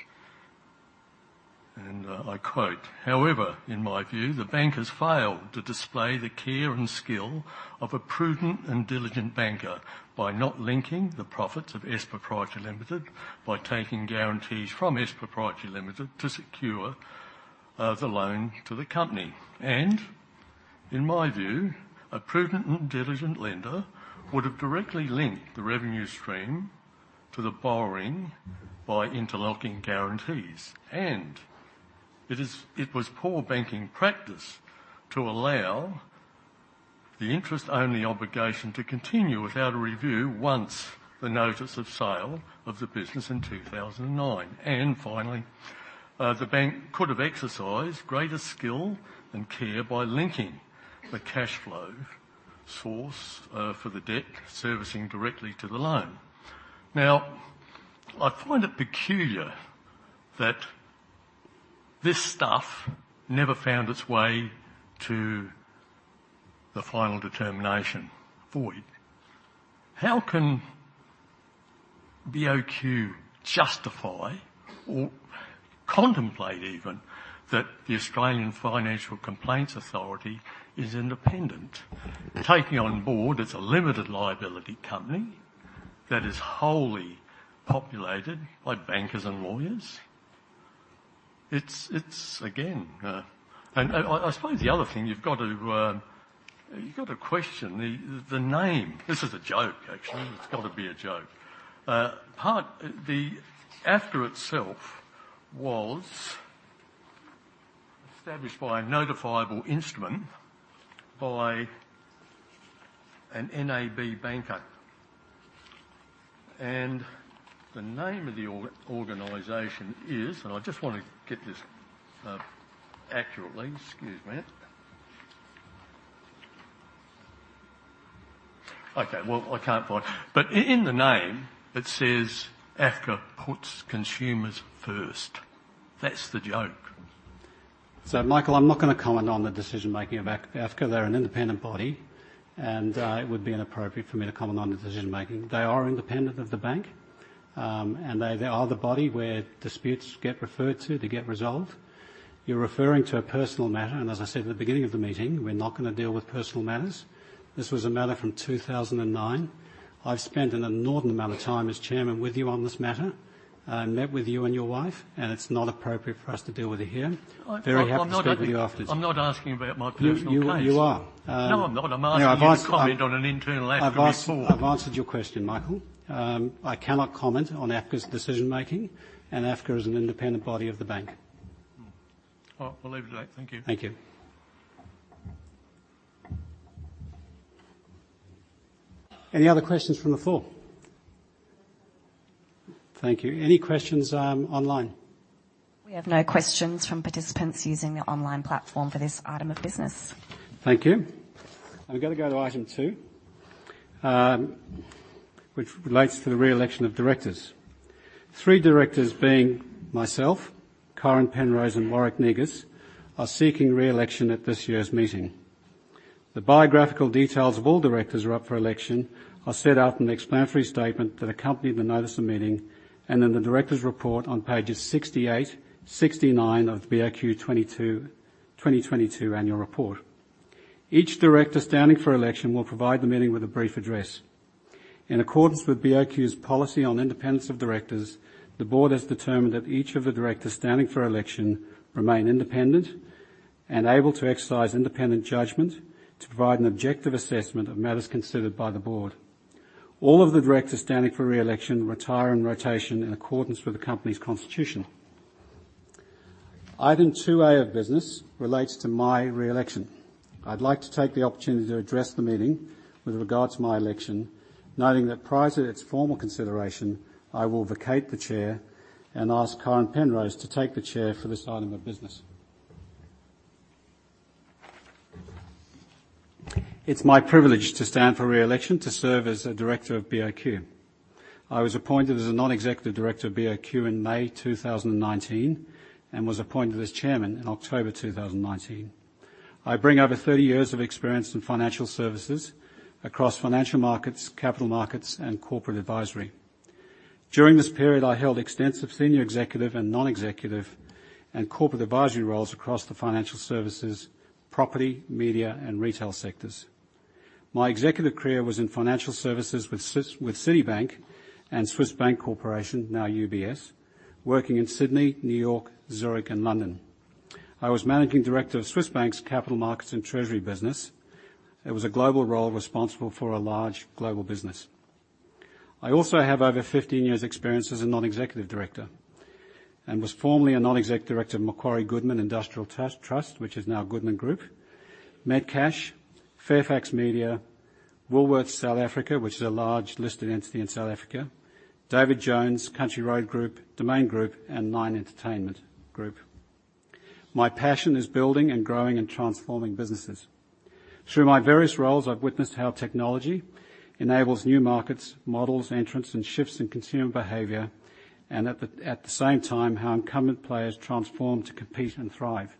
I quote, "However, in my view, the bankers failed to display the care and skill of a prudent and diligent banker by not linking the profits of S Proprietary Limited by taking guarantees from S Proprietary Limited to secure the loan to the company. In my view, a prudent and diligent lender would have directly linked the revenue stream to the borrowing by interlocking guarantees. It was poor banking practice to allow...The interest only obligation to continue without a review once the notice of sale of the business in 2009. Finally, the bank could have exercised greater skill and care by linking the cash flow source for the debt servicing directly to the loan. I find it peculiar that this stuff never found its way to the final determination void. How can BOQ justify or contemplate even that the Australian Financial Complaints Authority is independent? Taking on board, it's a limited liability company that is wholly populated by bankers and lawyers. It's again. I suppose the other thing you've got to question the name. This is a joke, actually. It's got to be a joke. AFCA itself was established by a notifiable instrument by an NAB banker. The name of the organization is, and I just want to get this accurately. Excuse me. Okay, well, I can't find. In the name, it says, "AFCA puts consumers first." That's the joke. Michael, I'm not gonna comment on the decision-making of AFCA. They're an independent body, and it would be inappropriate for me to comment on the decision-making. They are independent of the bank, and they are the body where disputes get referred to to get resolved. You're referring to a personal matter, and as I said at the beginning of the meeting, we're not gonna deal with personal matters. This was a matter from 2009. I've spent an inordinate amount of time as Chairman with you on this matter. I met with you and your wife, and it's not appropriate for us to deal with it here. Very happy to speak with you afterwards. I'm not asking about my personal case. You are. No, I'm not. I'm asking you to comment on an internal AFCA report. I've answered your question, Michael. I cannot comment on AFCA's decision-making. AFCA is an independent body of the bank. Well, we'll leave it there. Thank you. Thank you. Any other questions from the floor? Thank you. Any questions, online? We have no questions from participants using the online platform for this item of business. Thank you. I'm gonna go to item 2, which relates to the reelection of directors. Three directors being myself, Karen Penrose, and Warwick Negus, are seeking reelection at this year's meeting. The biographical details of all directors who are up for election are set out in the explanatory statement that accompanied the notice of meeting and in the directors' report on pages 68, 69 of the BOQ 2022 annual report. Each director standing for election will provide the meeting with a brief address. In accordance with BOQ's policy on independence of directors, the board has determined that each of the directors standing for election remain independent and able to exercise independent judgment to provide an objective assessment of matters considered by the board. All of the directors standing for reelection retire in rotation in accordance with the company's constitution. Item 2-A of business relates to my reelection. I'd like to take the opportunity to address the meeting with regard to my election, noting that prior to its formal consideration, I will vacate the chair and ask Karen Penrose to take the chair for this item of business. It's my privilege to stand for reelection to serve as a director of BOQ. I was appointed as a non-executive director of BOQ in May 2019, and was appointed as chairman in October 2019. I bring over 30 years of experience in financial services across financial markets, capital markets, and corporate advisory. During this period, I held extensive senior executive and non-executive and corporate advisory roles across the financial services, property, media, and retail sectors. My executive career was in financial services with Citibank and Swiss Bank Corporation, now UBS, working in Sydney, New York, Zurich, and London. I was managing Director of SwissBank's capital markets and treasury business. It was a global role responsible for a large global business. I also have over 15 years' experience as a non-executive director and was formerly a non-exec director of Macquarie Goodman Industrial Trust, which is now Goodman Group, Metcash, Fairfax Media, Woolworths South Africa, which is a large listed entity in South Africa, David Jones, Country Road Group, Domain Group, and Nine Entertainment Co. My passion is building and growing and transforming businesses. Through my various roles, I've witnessed how technology enables new markets, models, entrants, and shifts in consumer behavior, and at the same time, how incumbent players transform to compete and thrive.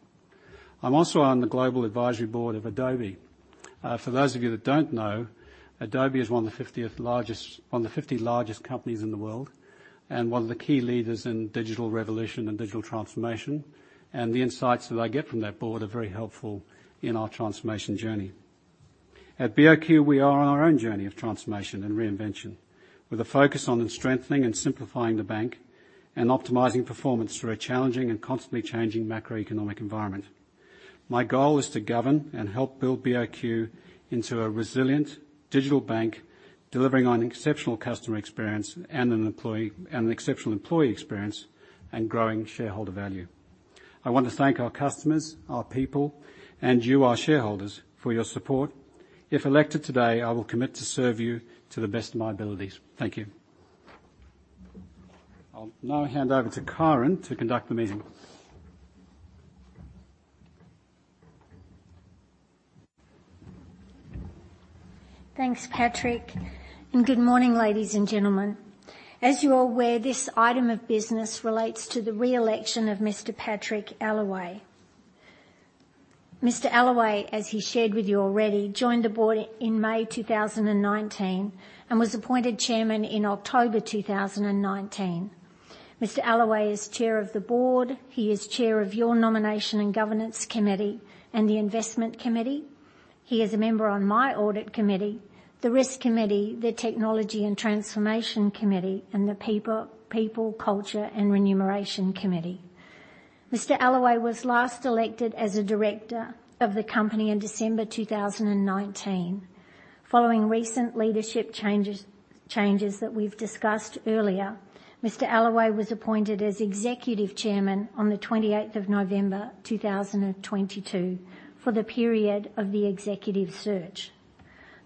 I'm also on the global advisory board of Adobe. For those of you that don't know, Adobe is one of the 50 largest companies in the world, and one of the key leaders in digital revolution and digital transformation, and the insights that I get from that board are very helpful in our transformation journey. At BOQ, we are on our own journey of transformation and reinvention, with a focus on strengthening and simplifying the bank and optimizing performance through a challenging and constantly changing macroeconomic environment. My goal is to govern and help build BOQ into a resilient digital bank, delivering on exceptional customer experience and an exceptional employee experience and growing shareholder value. I want to thank our customers, our people, and you, our shareholders, for your support. If elected today, I will commit to serve you to the best of my abilities. Thank you. I'll now hand over to Karen to conduct the meeting. Thanks, Patrick, good morning, ladies and gentlemen. As you're aware, this item of business relates to the re-election of Mr. Patrick Allaway. Mr. Allaway, as he shared with you already, joined the board in May 2019, was appointed Chairman in October 2019. Mr. Allaway is Chair of the board. He is Chair of your Nomination & Governance Committee and the Investment Committee. He is a member on my Audit Committee, the Risk Committee, the Transformation & Technology Committee, the People, Culture & Remuneration Committee. Mr. Allaway was last elected as a director of the company in December 2019. Following recent leadership changes that we've discussed earlier, Mr. Allaway was appointed as Executive Chairman on the 20th of November, 2022 for the period of the executive search.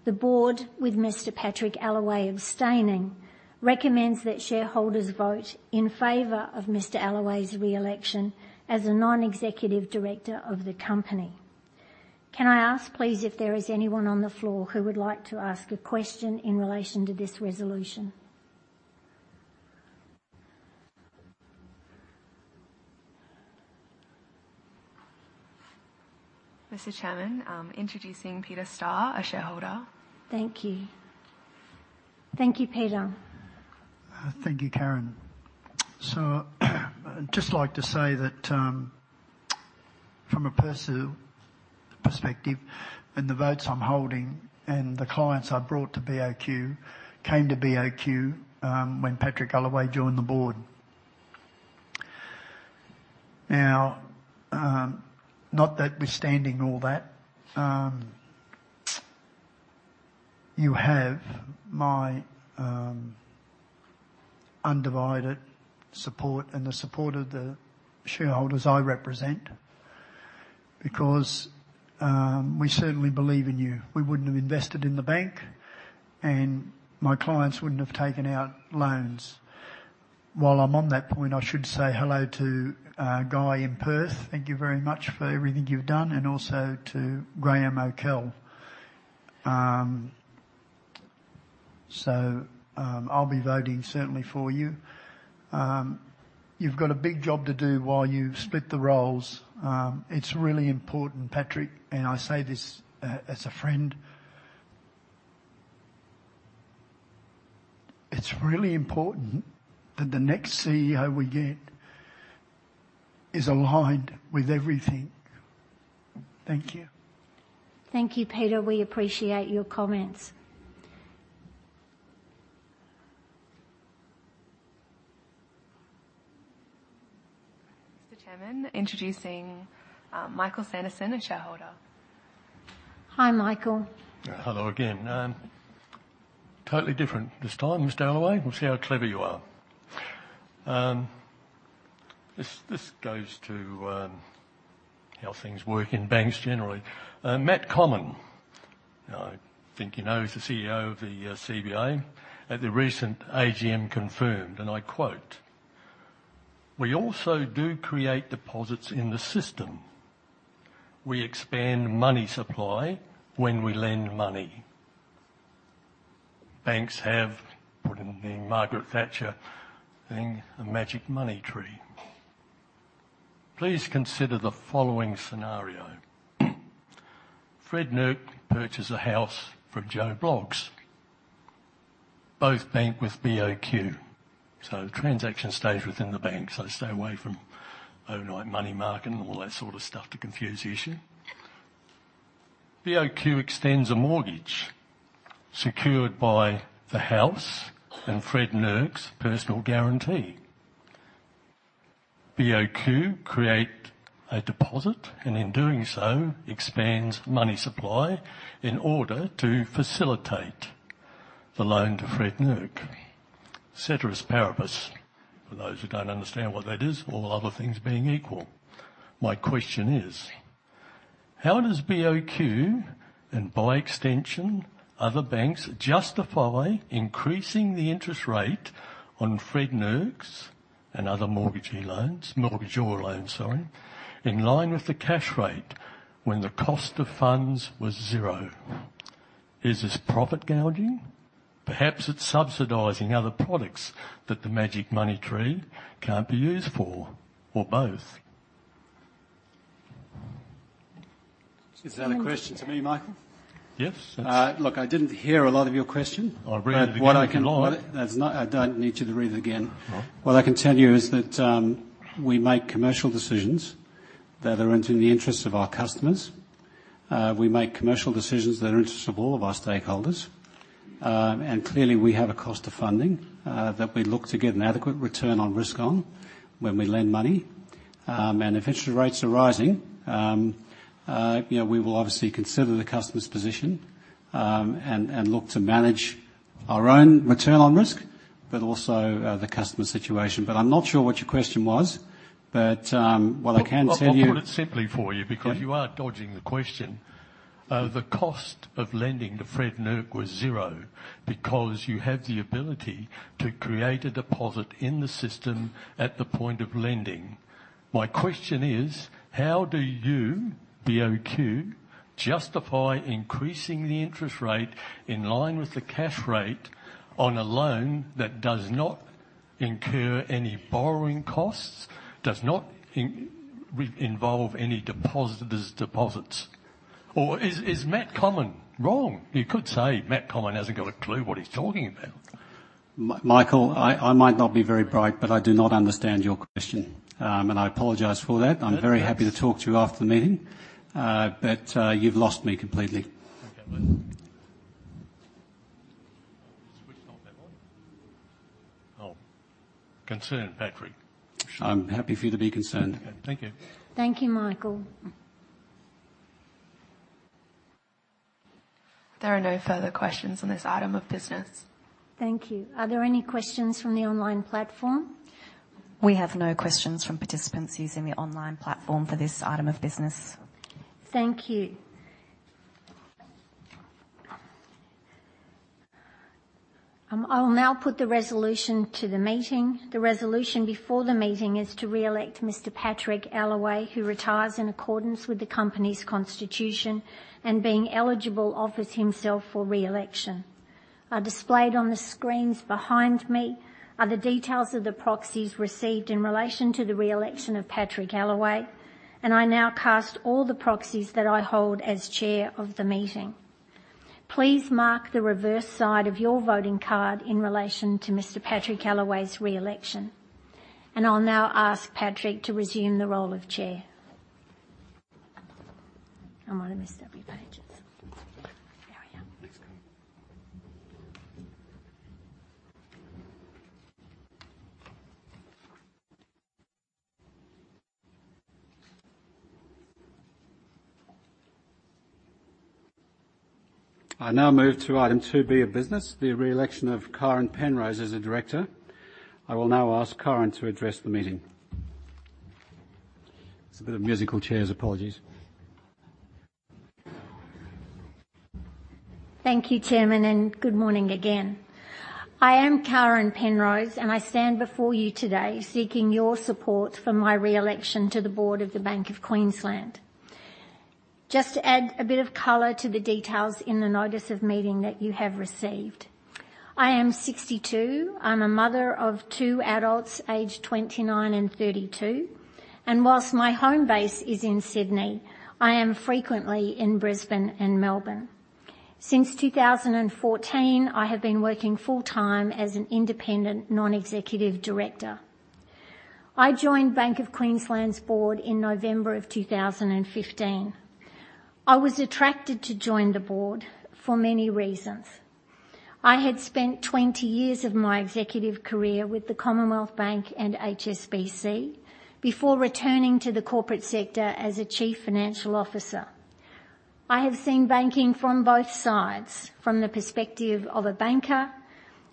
The board, with Mr. Patrick Allaway abstaining, recommends that shareholders vote in favor of Mr. Allaway's re-election as a non-executive director of the company. Can I ask, please, if there is anyone on the floor who would like to ask a question in relation to this resolution? Mr. Chairman, introducing Peter Starr, a shareholder. Thank you. Thank you, Peter. Thank you, Karen. I'd just like to say that, from a perspective, and the votes I'm holding and the clients I brought to BOQ came to BOQ when Patrick Allaway joined the board. Now, notwithstanding all that, you have my undivided support and the support of the shareholders I represent because we certainly believe in you. We wouldn't have invested in the bank, and my clients wouldn't have taken out loans. While I'm on that point, I should say hello to Guy in Perth. Thank you very much for everything you've done and also to Graham O'Kell. I'll be voting certainly for you. You've got a big job to do while you've split the roles. It's really important, Patrick, and I say this as a friend. It's really important that the next CEO we get is aligned with everything. Thank you. Thank you, Peter. We appreciate your comments. Mr. Chairman, introducing, Michael Sanderson, a shareholder. Hi, Michael. Hello again. Totally different this time, Mr. Allaway. We'll see how clever you are. this goes to how things work in banks generally. Matt Comyn, I think you know, is the CEO of the CBA, at the recent AGM confirmed, and I quote, "We also do create deposits in the system. We expand money supply when we lend money." Banks have, put in the Margaret Thatcher thing, a magic money tree. Please consider the following scenario. Fred Nerk purchased a house from Joe Bloggs. Both bank with BOQ. The transaction stays within the bank. Stay away from overnight money market and all that sort of stuff to confuse the issue. BOQ extends a mortgage secured by the house and Fred Nerk's personal guarantee. BOQ create a deposit and, in doing so, expands money supply in order to facilitate the loan to Fred Nerk, ceteris paribus. For those who don't understand what that is, all other things being equal. My question is: How does BOQ, and by extension other banks, justify increasing the interest rate on Fred Nerk's and other mortgagor loans, sorry, in line with the cash rate when the cost of funds was 0? Is this profit gouging? Perhaps it's subsidizing other products that the magic money tree can't be used for or both. Is that a question to me, Michael? Yes. Look, I didn't hear a lot of your question. I read it again if you'd like. I don't need you to read it again. All right. What I can tell you is that, we make commercial decisions that are in the interests of our customers. We make commercial decisions that are in the interest of all of our stakeholders. Clearly, we have a cost of funding, that we look to get an adequate return on risk on when we lend money. If interest rates are rising, you know, we will obviously consider the customer's position, and look to manage our own return on risk. Also, the customer situation. I'm not sure what your question was. What I can tell you- I'll put it simply for you. Yeah... because you are dodging the question. The cost of lending to Fred Nerk was zero because you have the ability to create a deposit in the system at the point of lending. My question is, how do you, BOQ, justify increasing the interest rate in line with the cash rate on a loan that does not incur any borrowing costs, does not involve any depositors' deposits? Is Matt Comyn wrong? You could say Matt Comyn hasn't got a clue what he's talking about. Michael, I might not be very bright, but I do not understand your question. I apologize for that. That's all right. I'm very happy to talk to you after the meeting. You've lost me completely. Okay. Let's switch off that one. Oh, concerned, Patrick. I'm happy for you to be concerned. Okay. Thank you. Thank you, Michael. There are no further questions on this item of business. Thank you. Are there any questions from the online platform? We have no questions from participants using the online platform for this item of business. Thank you. I will now put the resolution to the meeting. The resolution before the meeting is to re-elect Mr. Patrick Allaway, who retires in accordance with the company's constitution, and being eligible, offers himself for re-election. Displayed on the screens behind me are the details of the proxies received in relation to the re-election of Patrick Allaway, and I now cast all the proxies that I hold as chair of the meeting. Please mark the reverse side of your voting card in relation to Mr. Patrick Allaway's re-election. I'll now ask Patrick to resume the role of chair. Next screen. I now move to item 2B of business, the re-election of Karen Penrose as a director. I will now ask Karen to address the meeting. It's a bit of musical chairs. Apologies. Thank you, Chairman. Good morning again. I am Karen Penrose. I stand before you today seeking your support for my re-election to the board of the Bank of Queensland. Just to add a bit of color to the details in the notice of meeting that you have received. I am 62. I'm a mother of 2 adults aged 29 and 32. Whilst my home base is in Sydney, I am frequently in Brisbane and Melbourne. Since 2014, I have been working full-time as an independent non-executive director. I joined Bank of Queensland's board in November of 2015. I was attracted to join the board for many reasons. I had spent 20 years of my executive career with the Commonwealth Bank and HSBC before returning to the corporate sector as a chief financial officer. I have seen banking from both sides, from the perspective of a banker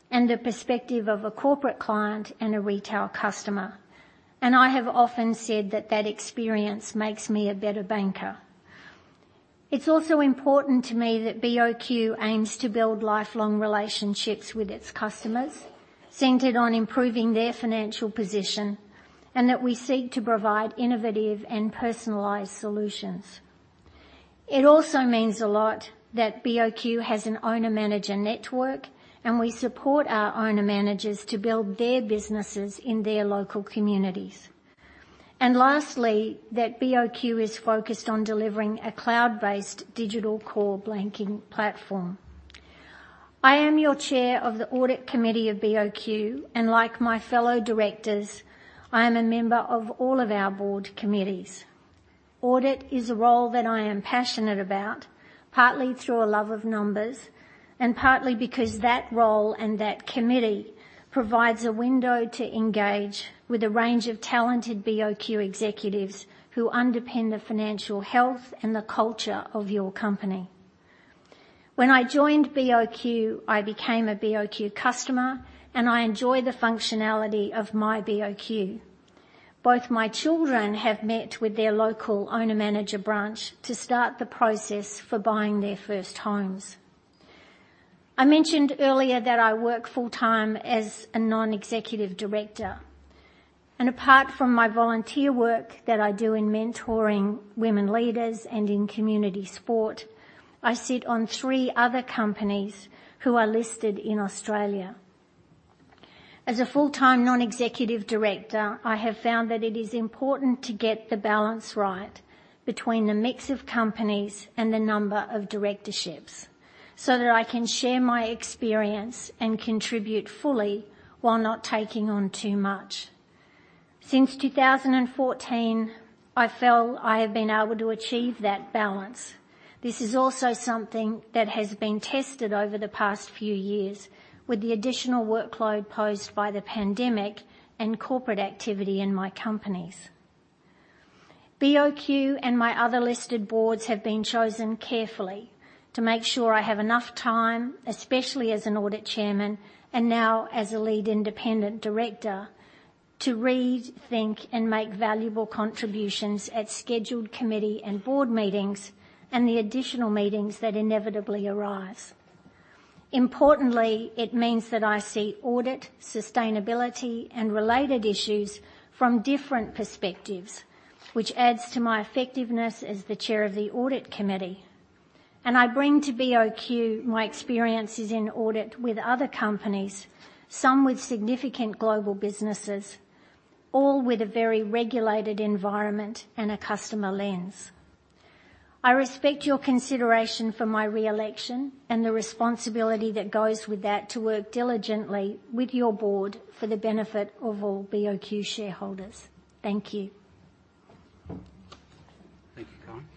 and the perspective of a corporate client and a retail customer. I have often said that that experience makes me a better banker. It's also important to me that BOQ aims to build lifelong relationships with its customers, centered on improving their financial position, and that we seek to provide innovative and personalized solutions. It also means a lot that BOQ has an owner-manager network, and we support our owner-managers to build their businesses in their local communities. Lastly, that BOQ is focused on delivering a cloud-based digital core banking platform. I am your chair of the Audit Committee of BOQ, and like my fellow directors, I am a member of all of our board committees. Audit is a role that I am passionate about, partly through a love of numbers and partly because that role and that committee provides a window to engage with a range of talented BOQ executives who underpin the financial health and the culture of your company. When I joined BOQ, I became a BOQ customer, and I enjoy the functionality of myBOQ. Both my children have met with their local owner-manager branch to start the process for buying their first homes. I mentioned earlier that I work full-time as a non-executive director, and apart from my volunteer work that I do in mentoring women leaders and in community sport, I sit on three other companies who are listed in Australia. As a full-time non-executive director, I have found that it is important to get the balance right between the mix of companies and the number of directorships so that I can share my experience and contribute fully while not taking on too much. Since 2014, I feel I have been able to achieve that balance. This is also something that has been tested over the past few years with the additional workload posed by the pandemic and corporate activity in my companies BOQ and my other listed boards have been chosen carefully to make sure I have enough time, especially as an audit chairman and now as a Lead Independent Director, to read, think, and make valuable contributions at scheduled committee and board meetings and the additional meetings that inevitably arise. Importantly, it means that I see audit, sustainability, and related issues from different perspectives, which adds to my effectiveness as the chair of the Audit Committee. I bring to BOQ my experiences in audit with other companies, some with significant global businesses, all with a very regulated environment and a customer lens. I respect your consideration for my re-election and the responsibility that goes with that to work diligently with your Board for the benefit of all BOQ shareholders. Thank you. Thank you, Karen.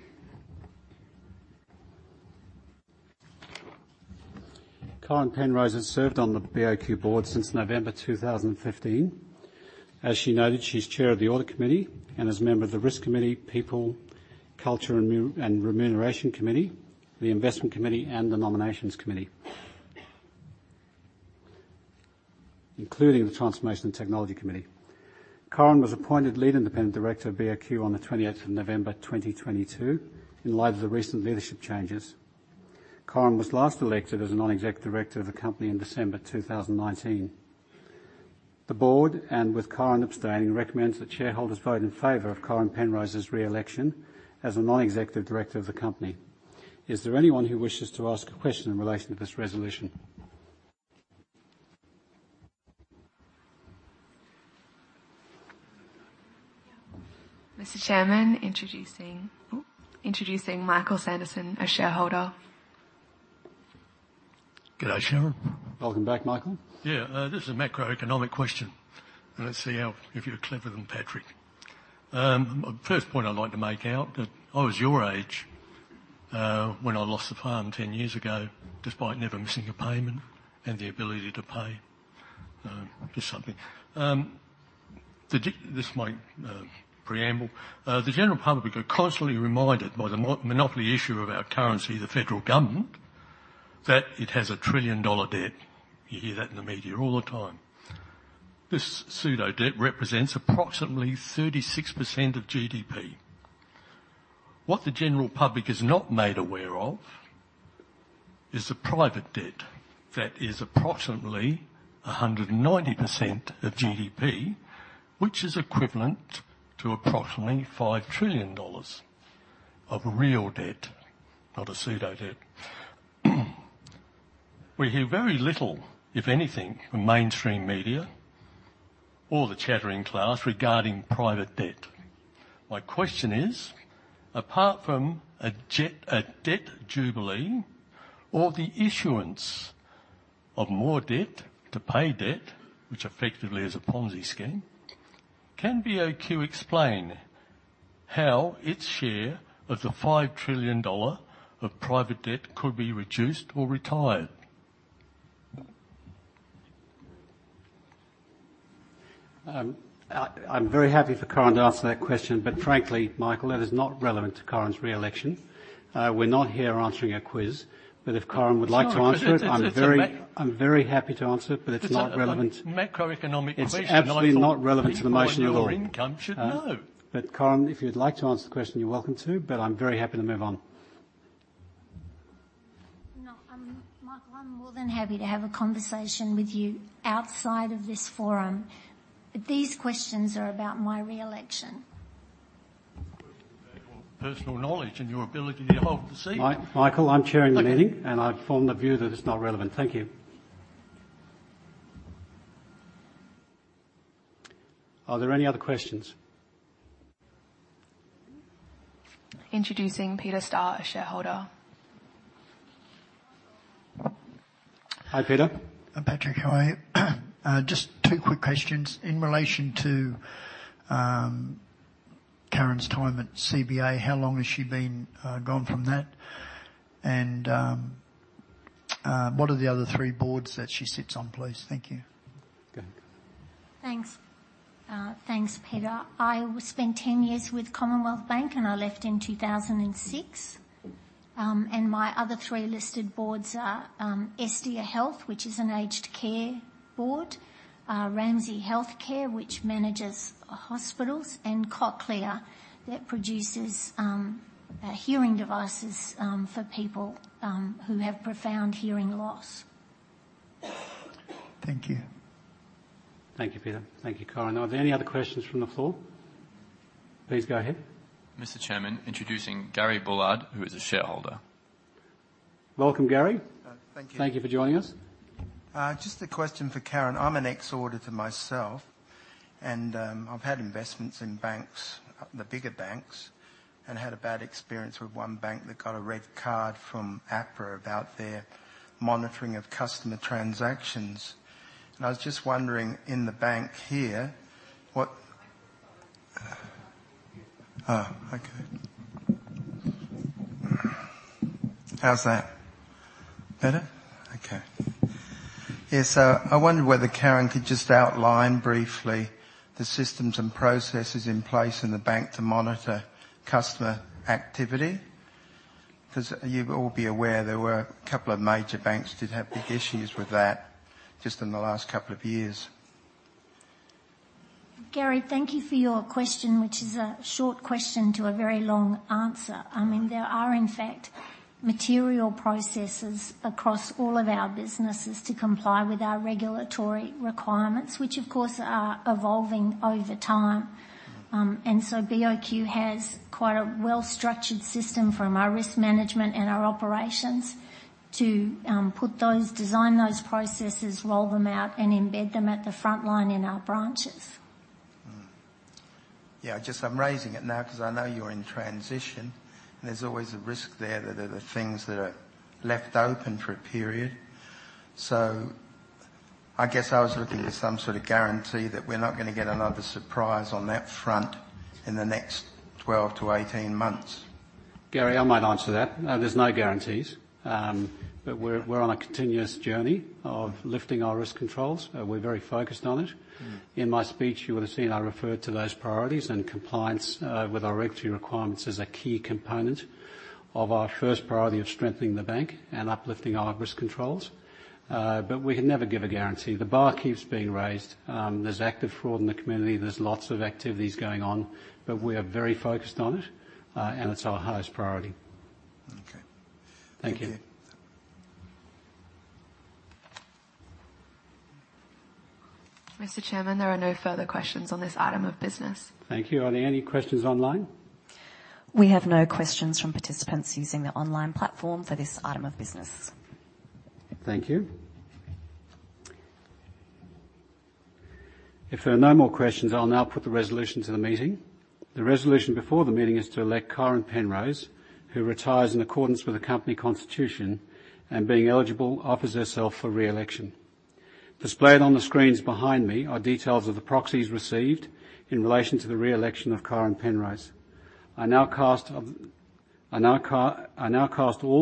Karen Penrose has served on the BOQ Board since November 2015. As she noted, she's chair of the Audit Committee and is a member of the Risk Committee, People, Culture & Remuneration Committee, the Investment Committee, and the Nominations Committee. Including the Transformation & Technology Committee. Karen was appointed Lead Independent Director of BOQ on the 28th of November 2022 in light of the recent leadership changes. Karen was last elected as a non-executive Director of the company in December 2019. The Board, and with Karen abstaining, recommends that shareholders vote in favor of Karen Penrose's re-election as a non-executive Director of the company. Is there anyone who wishes to ask a question in relation to this resolution? Mr. Chairman, introducing Michael Sanderson, a shareholder. G'day, Chairman. Welcome back, Michael. Yeah, this is a macroeconomic question. Let's see how, if you're clever than Patrick. First point I'd like to make out that I was your age, when I lost the farm 10 years ago, despite never missing a payment and the ability to pay, just something. This is my preamble. The general public are constantly reminded by the monopoly issuer of our currency, the federal government, that it has an 1 trillion-dollar debt. You hear that in the media all the time. This pseudo-debt represents approximately 36% of GDP. What the general public is not made aware of is the private debt that is approximately 190% of GDP, which is equivalent to approximately 5 trillion dollars of real debt, not a pseudo-debt. We hear very little, if anything, from mainstream media or the chattering class regarding private debt. My question is, apart from a debt jubilee or the issuance of more debt to pay debt, which effectively is a Ponzi scheme, can BOQ explain how its share of the 5 trillion dollar of private debt could be reduced or retired? I'm very happy for Karen to answer that question, but frankly, Michael, it is not relevant to Karen's re-election. We're not here answering a quiz. If Karen would like to answer it. Sorry, but it's a ma-. I'm very happy to answer it, but it's not relevant- It's a, like, macroeconomic question. I thought people on low income should know. It's absolutely not relevant to the motion at all. Karen, if you'd like to answer the question, you're welcome to, but I'm very happy to move on. No, Michael, I'm more than happy to have a conversation with you outside of this forum, but these questions are about my re-election. Questions about your personal knowledge and your ability to hold the seat. Michael, I'm chairing the meeting. Thank you. I've formed the view that it's not relevant. Thank you. Are there any other questions? Introducing Peter Starr, a shareholder. Hi, Peter. Patrick, how are you? Just two quick questions. In relation to Karen's time at CBA, how long has she been gone from that? What are the other three boards that she sits on, please? Thank you. Go ahead. Thanks. Thanks, Peter. I spent 10 years with Commonwealth Bank, I left in 2006. My other three listed boards are Estia Health, which is an aged care board, Ramsay Health Care, which manages hospitals, and Cochlear that produces hearing devices for people who have profound hearing loss. Thank you. Thank you, Peter. Thank you, Karen. Are there any other questions from the floor? Please go ahead. Mr. Chairman, introducing Gary Bullard, who is a shareholder. Welcome, Gary. Thank you. Thank you for joining us. Just a question for Karen. I'm an ex-auditor myself, and I've had investments in banks, the bigger banks, and had a bad experience with one bank that got a red card from APRA about their monitoring of customer transactions. I was just wondering, in the bank here, what... Oh, okay. How's that? Better? Okay. Yeah. I wonder whether Karen could just outline briefly the systems and processes in place in the bank to monitor customer activity. Because you'd all be aware there were a couple of major banks did have big issues with that just in the last couple of years. Gary, thank you for your question, which is a short question to a very long answer. I mean, there are, in fact, material processes across all of our businesses to comply with our regulatory requirements, which of course are evolving over time. BOQ has quite a well-structured system from our risk management and our operations to put those, design those processes, roll them out, and embed them at the frontline in our branches. Yeah, just I'm raising it now 'cause I know you're in transition, and there's always a risk there that there are things that are left open for a period. I guess I was looking for some sort of guarantee that we're not gonna get another surprise on that front in the next 12-18 months. Gary, I might answer that. There's no guarantees, but we're on a continuous journey of lifting our risk controls. We're very focused on it. In my speech, you would've seen I referred to those priorities and compliance with our regulatory requirements as a key component of our first priority of strengthening the bank and uplifting our risk controls. We can never give a guarantee. The bar keeps being raised. There's active fraud in the community. There's lots of activities going on, but we are very focused on it, and it's our highest priority. Okay. Thank you. Thank you. Mr. Chairman, there are no further questions on this item of business. Thank you. Are there any questions online? We have no questions from participants using the online platform for this item of business. Thank you. If there are no more questions, I'll now put the resolution to the meeting. The resolution before the meeting is to elect Karen Penrose, who retires in accordance with the company constitution, and being eligible, offers herself for re-election. Displayed on the screens behind me are details of the proxies received in relation to the re-election of Karen Penrose. I now cast all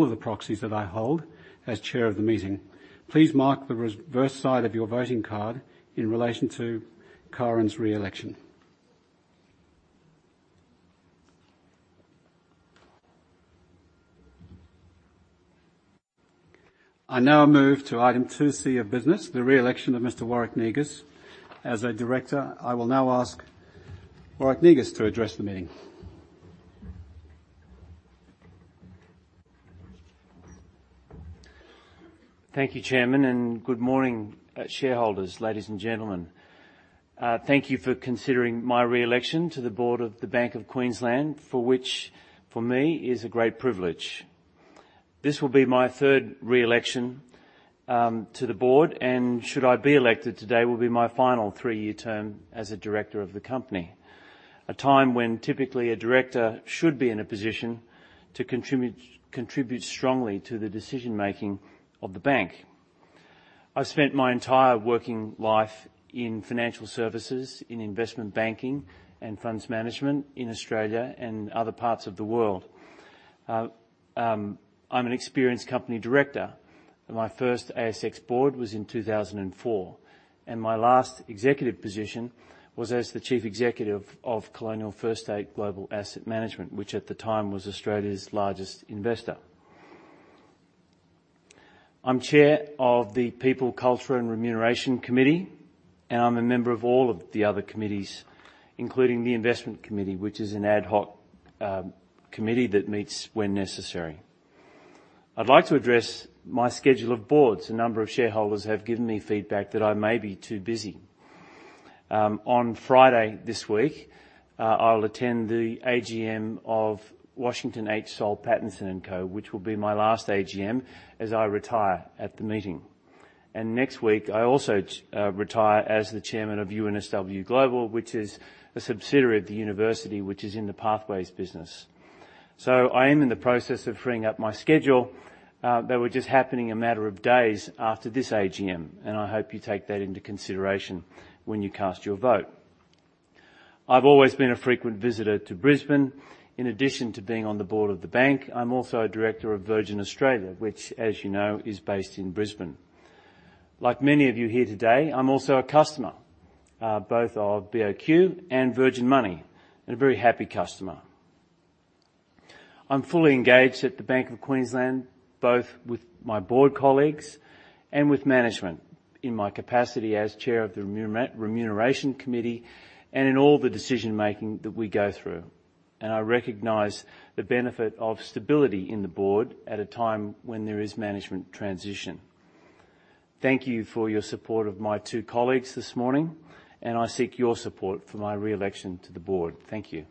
of the proxies that I hold as chair of the meeting. Please mark the reverse side of your voting card in relation to Karen's re-election. I now move to item 2C of business, the re-election of Mr. Warwick Negus as a director. I will now ask Warwick Negus to address the meeting. Thank you, Chairman. Good morning, shareholders, ladies and gentlemen. Thank you for considering my re-election to the board of the Bank of Queensland, for which for me is a great privilege. This will be my third re-election to the board, and should I be elected today, will be my final three-year term as a director of the company. A time when typically a director should be in a position to contribute strongly to the decision-making of the bank. I've spent my entire working life in financial services, in investment banking and funds management in Australia and other parts of the world. I'm an experienced company director. My first ASX board was in 2004, and my last executive position was as the chief executive of Colonial First State Global Asset Management, which at the time was Australia's largest investor. I'm Chair of the People, Culture & Remuneration Committee, and I'm a member of all of the other committees, including the Investment Committee, which is an ad hoc committee that meets when necessary. I'd like to address my schedule of boards. A number of shareholders have given me feedback that I may be too busy. On Friday this week, I'll attend the AGM of Washington H. Soul Pattinson and Co., which will be my last AGM as I retire at the meeting. Next week, I also retire as the Chairman of UNSW Global, which is a subsidiary of the university, which is in the pathways business. I am in the process of freeing up my schedule, they were just happening a matter of days after this AGM, and I hope you take that into consideration when you cast your vote. I've always been a frequent visitor to Brisbane. In addition to being on the board of the bank, I'm also a Director of Virgin Australia, which, as you know, is based in Brisbane. Like many of you here today, I'm also a customer, both of BOQ and Virgin Money, and a very happy customer. I'm fully engaged at the Bank of Queensland, both with my board colleagues and with management in my capacity as chair of the Remuneration Committee and in all the decision-making that we go through, and I recognize the benefit of stability in the board at a time when there is management transition. Thank you for your support of my two colleagues this morning, and I seek your support for my re-election to the board. Thank you.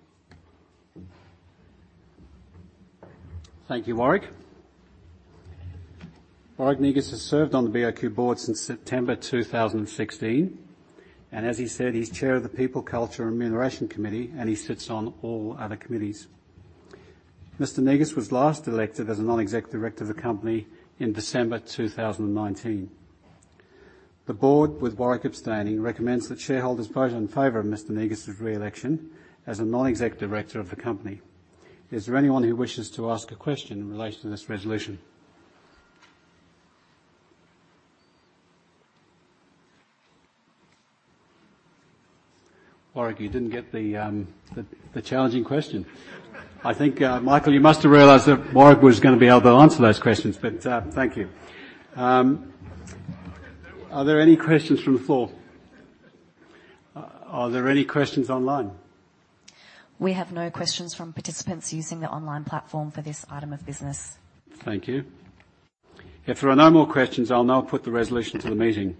Thank you, Warwick. Warwick Negus has served on the BOQ board since September 2016, and as he said, he's Chair of the People, Culture & Remuneration Committee, and he sits on all other committees. Mr. Negus was last elected as a non-executive director of the company in December 2019. The board, with Warwick abstaining, recommends that shareholders vote in favor of Mr. Negus' reelection as a non-executive director of the company. Is there anyone who wishes to ask a question in relation to this resolution? Warwick, you didn't get the challenging question. I think Michael, you must have realized that Warwick was gonna be able to answer those questions, but thank you. Are there any questions from the floor? Are there any questions online? We have no questions from participants using the online platform for this item of business. Thank you. If there are no more questions, I'll now put the resolution to the meeting.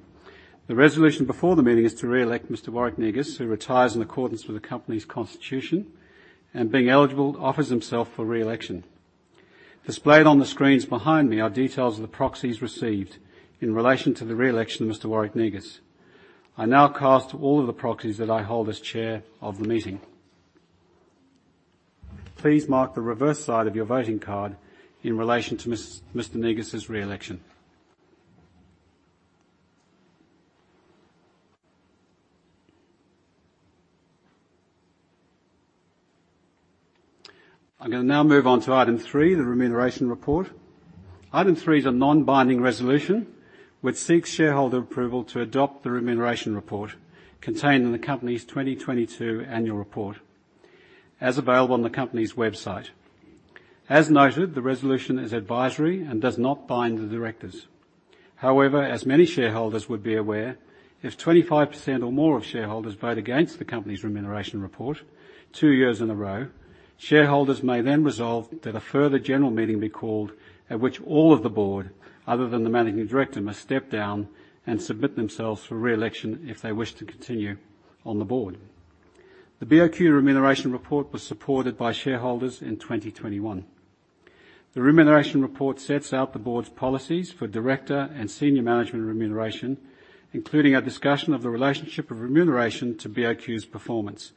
The resolution before the meeting is to reelect Mr. Warwick Negus, who retires in accordance with the company's constitution, and being eligible, offers himself for reelection. Displayed on the screens behind me are details of the proxies received in relation to the reelection of Mr. Warwick Negus. I now cast all of the proxies that I hold as chair of the meeting. Please mark the reverse side of your voting card in relation to Mr. Negus's reelection. I'm gonna now move on to item 3, the remuneration report. Item 3 is a non-binding resolution which seeks shareholder approval to adopt the remuneration report contained in the company's 2022 annual report, as available on the company's website. As noted, the resolution is advisory and does not bind the directors. However, as many shareholders would be aware, if 25% or more of shareholders vote against the company's remuneration report two years in a row, shareholders may then resolve that a further general meeting be called at which all of the board, other than the managing director, must step down and submit themselves for reelection if they wish to continue on the board. The BOQ remuneration report was supported by shareholders in 2021. The remuneration report sets out the board's policies for director and senior management remuneration, including a discussion of the relationship of remuneration to BOQ's performance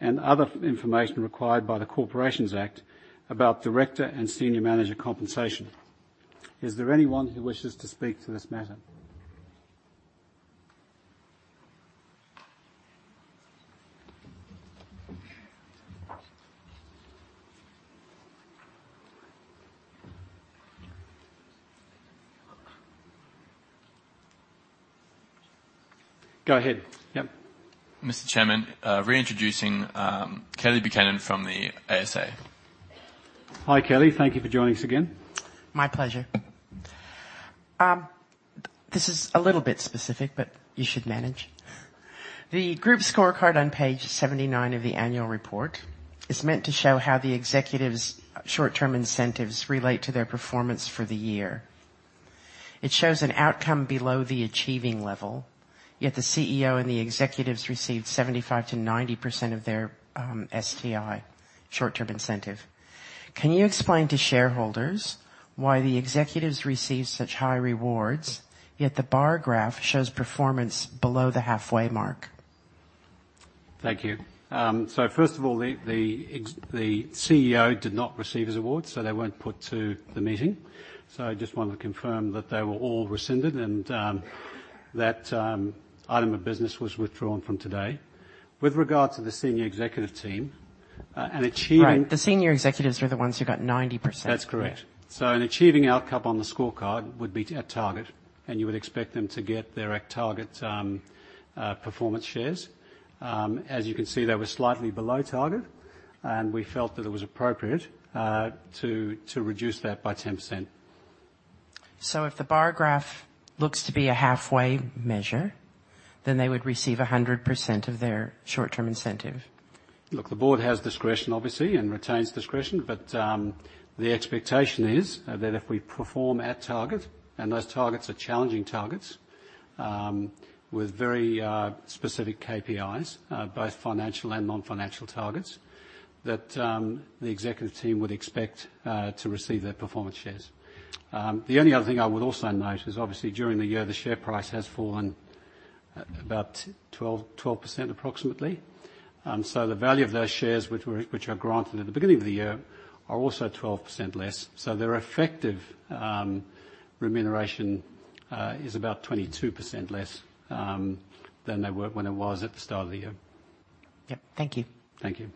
and other information required by the Corporations Act about director and senior manager compensation. Is there anyone who wishes to speak to this matter? Go ahead. Yep. Mr. Chairman, reintroducing, Kelly Buchanan from the ASA. Hi, Kelly. Thank you for joining us again. My pleasure. This is a little bit specific, but you should manage. The group scorecard on page 79 of the annual report is meant to show how the executives' short-term incentives relate to their performance for the year. It shows an outcome below the achieving level, yet the CEO and the executives received 75%-90% of their STI, short-term incentive. Can you explain to shareholders why the executives receive such high rewards, yet the bar graph shows performance below the halfway mark? Thank you. First of all, the CEO did not receive his award, they weren't put to the meeting. I just wanted to confirm that they were all rescinded and that item of business was withdrawn from today. With regard to the senior executive team, and achieving- Right. The senior executives are the ones who got 90%. That's correct. An achieving outcome on the scorecard would be at target, and you would expect them to get their at target performance shares. As you can see, they were slightly below target, and we felt that it was appropriate to reduce that by 10%. If the bar graph looks to be a halfway measure, then they would receive 100% of their short-term incentive. Look, the board has discretion, obviously, and retains discretion, the expectation is that if we perform at target, and those targets are challenging targets, with very specific KPIs, both financial and non-financial targets, that the executive team would expect to receive their performance shares. The only other thing I would also note is obviously during the year, the share price has fallen about 12% approximately. The value of those shares which were, which are granted at the beginning of the year are also 12% less. Their effective remuneration is about 22% less than they were when it was at the start of the year. Yep. Thank you. Thank you.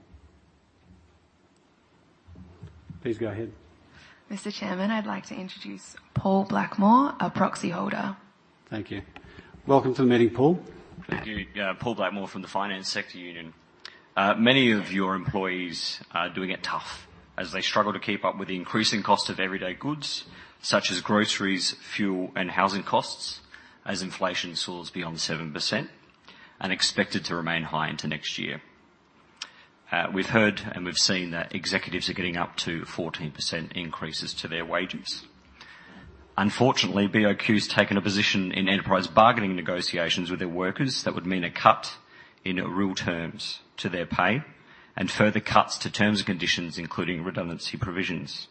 Please go ahead. Mr. Chairman, I'd like to introduce Paul Blackmore, a proxy holder. Thank you. Welcome to the meeting, Paul. Thank you. Yeah, Paul Blackmore from the Finance Sector Union. Many of your employees are doing it tough as they struggle to keep up with the increasing cost of everyday goods such as groceries, fuel, and housing costs, as inflation soars beyond 7% and expected to remain high into next year. We've heard and we've seen that executives are getting up to 14% increases to their wages. Unfortunately, BOQ's taken a position in enterprise bargaining negotiations with their workers that would mean a cut in real terms to their pay and further cuts to terms and conditions, including redundancy provisions.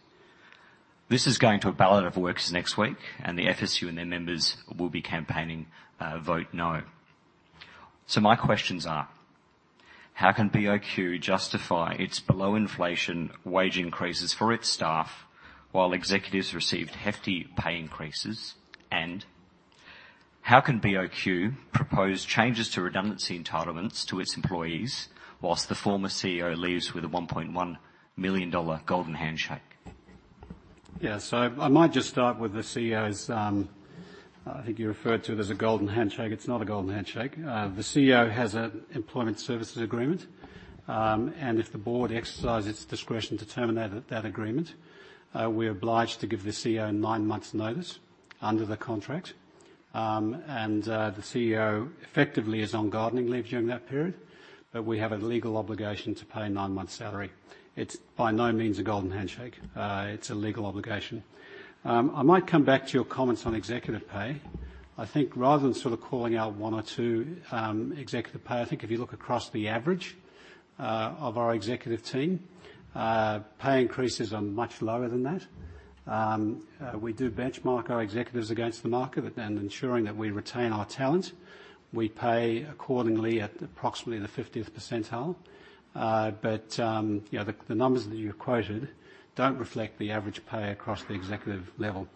This is going to a ballot of workers next week and the FSU and their members will be campaigning, vote no. My questions are, how can BOQ justify its below inflation wage increases for its staff, while executives received hefty pay increases? How can BOQ propose changes to redundancy entitlements to its employees whilst the former CEO leaves with a 1.1 million dollar golden handshake? I might just start with the CEO's, I think you referred to it as a golden handshake. It's not a golden handshake. The CEO has an employment services agreement. If the Board exercises discretion to terminate that agreement, we're obliged to give the CEO nine months' notice under the contract. The CEO effectively is on gardening leave during that period. We have a legal obligation to pay nine months' salary. It's by no means a golden handshake, it's a legal obligation. I might come back to your comments on executive pay. Rather than sort of calling out one or two, executive pay, I think if you look across the average, of our executive team, pay increases are much lower than that. We do benchmark our executives against the market and ensuring that we retain our talent. We pay accordingly at approximately the 50th percentile. You know, the numbers that you quoted don't reflect the average pay across the executive level.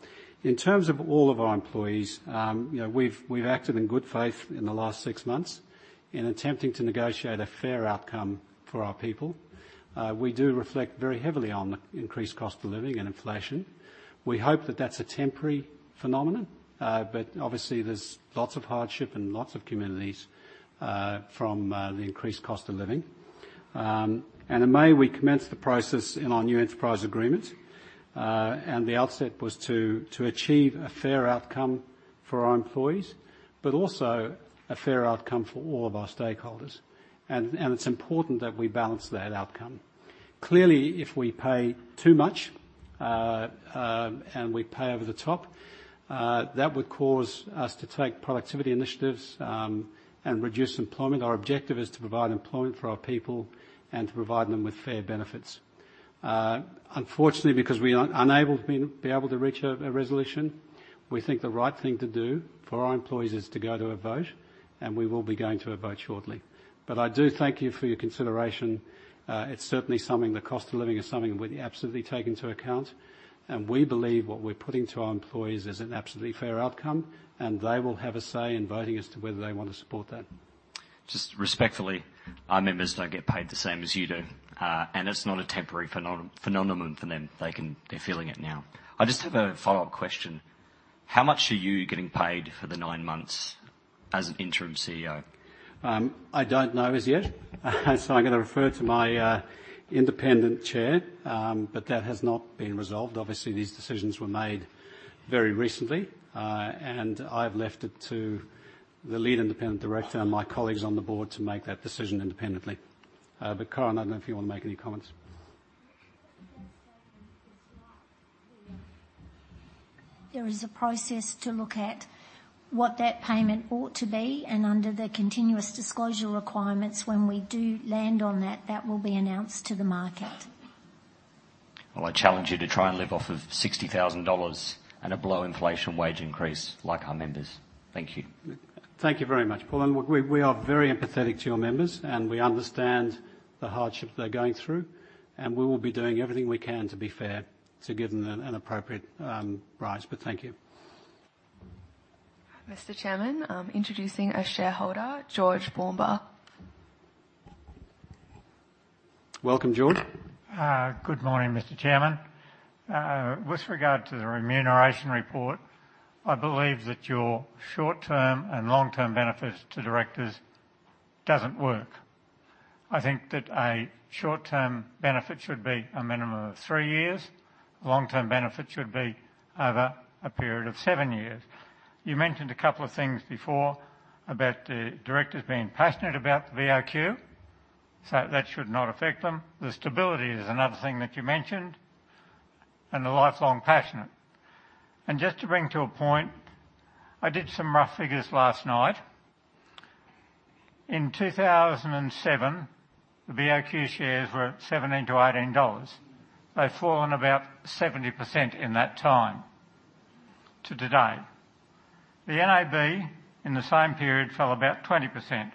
In terms of all of our employees, you know, we've acted in good faith in the last six months in attempting to negotiate a fair outcome for our people. We do reflect very heavily on the increased cost of living and inflation. We hope that that's a temporary phenomenon, but obviously there's lots of hardship in lots of communities, from the increased cost of living. In May, we commenced the process in our new enterprise agreement. The outset was to achieve a fair outcome for our employees, but also a fair outcome for all of our stakeholders. It's important that we balance that outcome. Clearly, if we pay too much, and we pay over the top, that would cause us to take productivity initiatives and reduce employment. Our objective is to provide employment for our people and to provide them with fair benefits. Unfortunately, because we are unable to reach a resolution, we think the right thing to do for our employees is to go to a vote, and we will be going to a vote shortly. I do thank you for your consideration. It's certainly something, the cost of living is something we absolutely take into account. We believe what we're putting to our employees is an absolutely fair outcome, and they will have a say in voting as to whether they want to support that. Just respectfully, our members don't get paid the same as you do. It's not a temporary phenomenon for them. They're feeling it now. I just have a follow-up question. How much are you getting paid for the nine months as an interim CEO? I don't know as yet. I'm gonna refer to my independent chair. That has not been resolved. Obviously, these decisions were made very recently. I've left it to the Lead Independent Director and my colleagues on the board to make that decision independently. Karen Penrose, I don't know if you want to make any comments. There is a process to look at what that payment ought to be, and under the continuous disclosure requirements, when we do land on that will be announced to the market. Well, I challenge you to try and live off of 60,000 dollars and a below inflation wage increase like our members. Thank you. Thank you very much, Paul. Look, we are very empathetic to your members, and we understand the hardship they're going through, and we will be doing everything we can to be fair, to give them an appropriate rise. Thank you. Mr. Chairman, I'm introducing a shareholder, George Baumber. Welcome, George. Good morning, Mr. Chairman. With regard to the remuneration report, I believe that your short-term and long-term benefits to directors doesn't work. I think that a short-term benefit should be a minimum of three years. Long-term benefit should be over a period of seven years. You mentioned a couple of things before about the directors being passionate about the BOQ, so that should not affect them. The stability is another thing that you mentioned, the lifelong passion. Just to bring to a point, I did some rough figures last night. In 2007, the BOQ shares were at 17-18 dollars. They've fallen about 70% in that time to today. The NAB, in the same period, fell about 20%.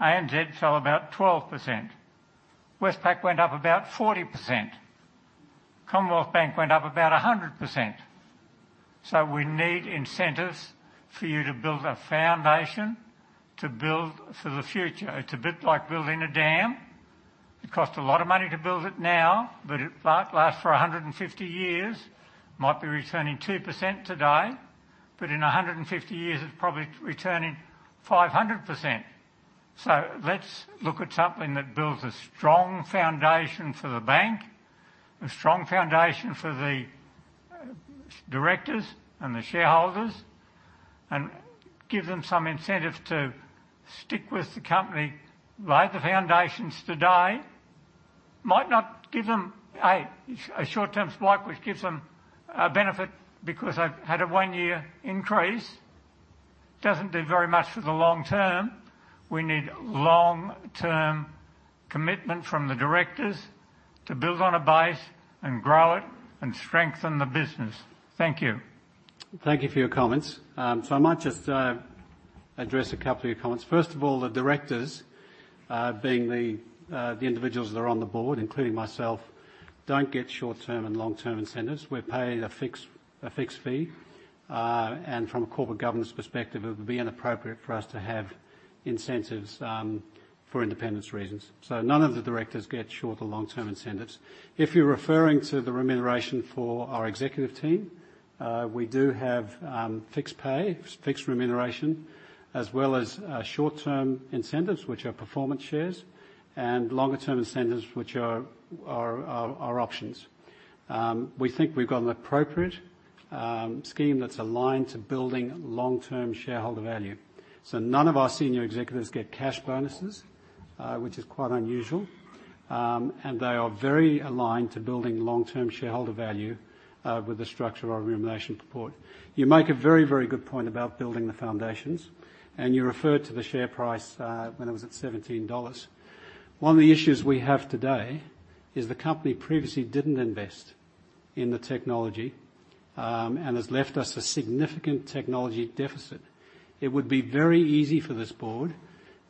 ANZ fell about 12%. Westpac went up about 40%. Commonwealth Bank went up about 100%. We need incentives for you to build a foundation to build for the future. It's a bit like building a dam. It costs a lot of money to build it now, but it lasts for 150 years. Might be returning 2% today, but in 150 years, it's probably returning 500%. Let's look at something that builds a strong foundation for the bank, a strong foundation for the directors and the shareholders, and give them some incentive to stick with the company. Lay the foundations today. Might not give them a short-term spike which gives them a benefit because they've had a one-year increase. Doesn't do very much for the long term. We need long-term. Commitment from the directors to build on a base and grow it and strengthen the business. Thank you. Thank you for your comments. I might just address a couple of your comments. First of all, the directors, being the individuals that are on the board, including myself, don't get short-term and long-term incentives. We're paid a fixed fee. From a corporate governance perspective, it would be inappropriate for us to have incentives for independence reasons. None of the directors get short or long-term incentives. If you're referring to the remuneration for our executive team, we do have fixed pay, fixed remuneration, as well as short-term incentives, which are performance shares, and longer term incentives, which are options. We think we've got an appropriate scheme that's aligned to building long-term shareholder value. None of our senior executives get cash bonuses, which is quite unusual. They are very aligned to building long-term shareholder value, with the structure of our remuneration support. You make a very very good point about building the foundations, and you referred to the share price, when it was at 17 dollars. One of the issues we have today is the company previously didn't invest in the technology, and has left us a significant technology deficit. It would be very easy for this board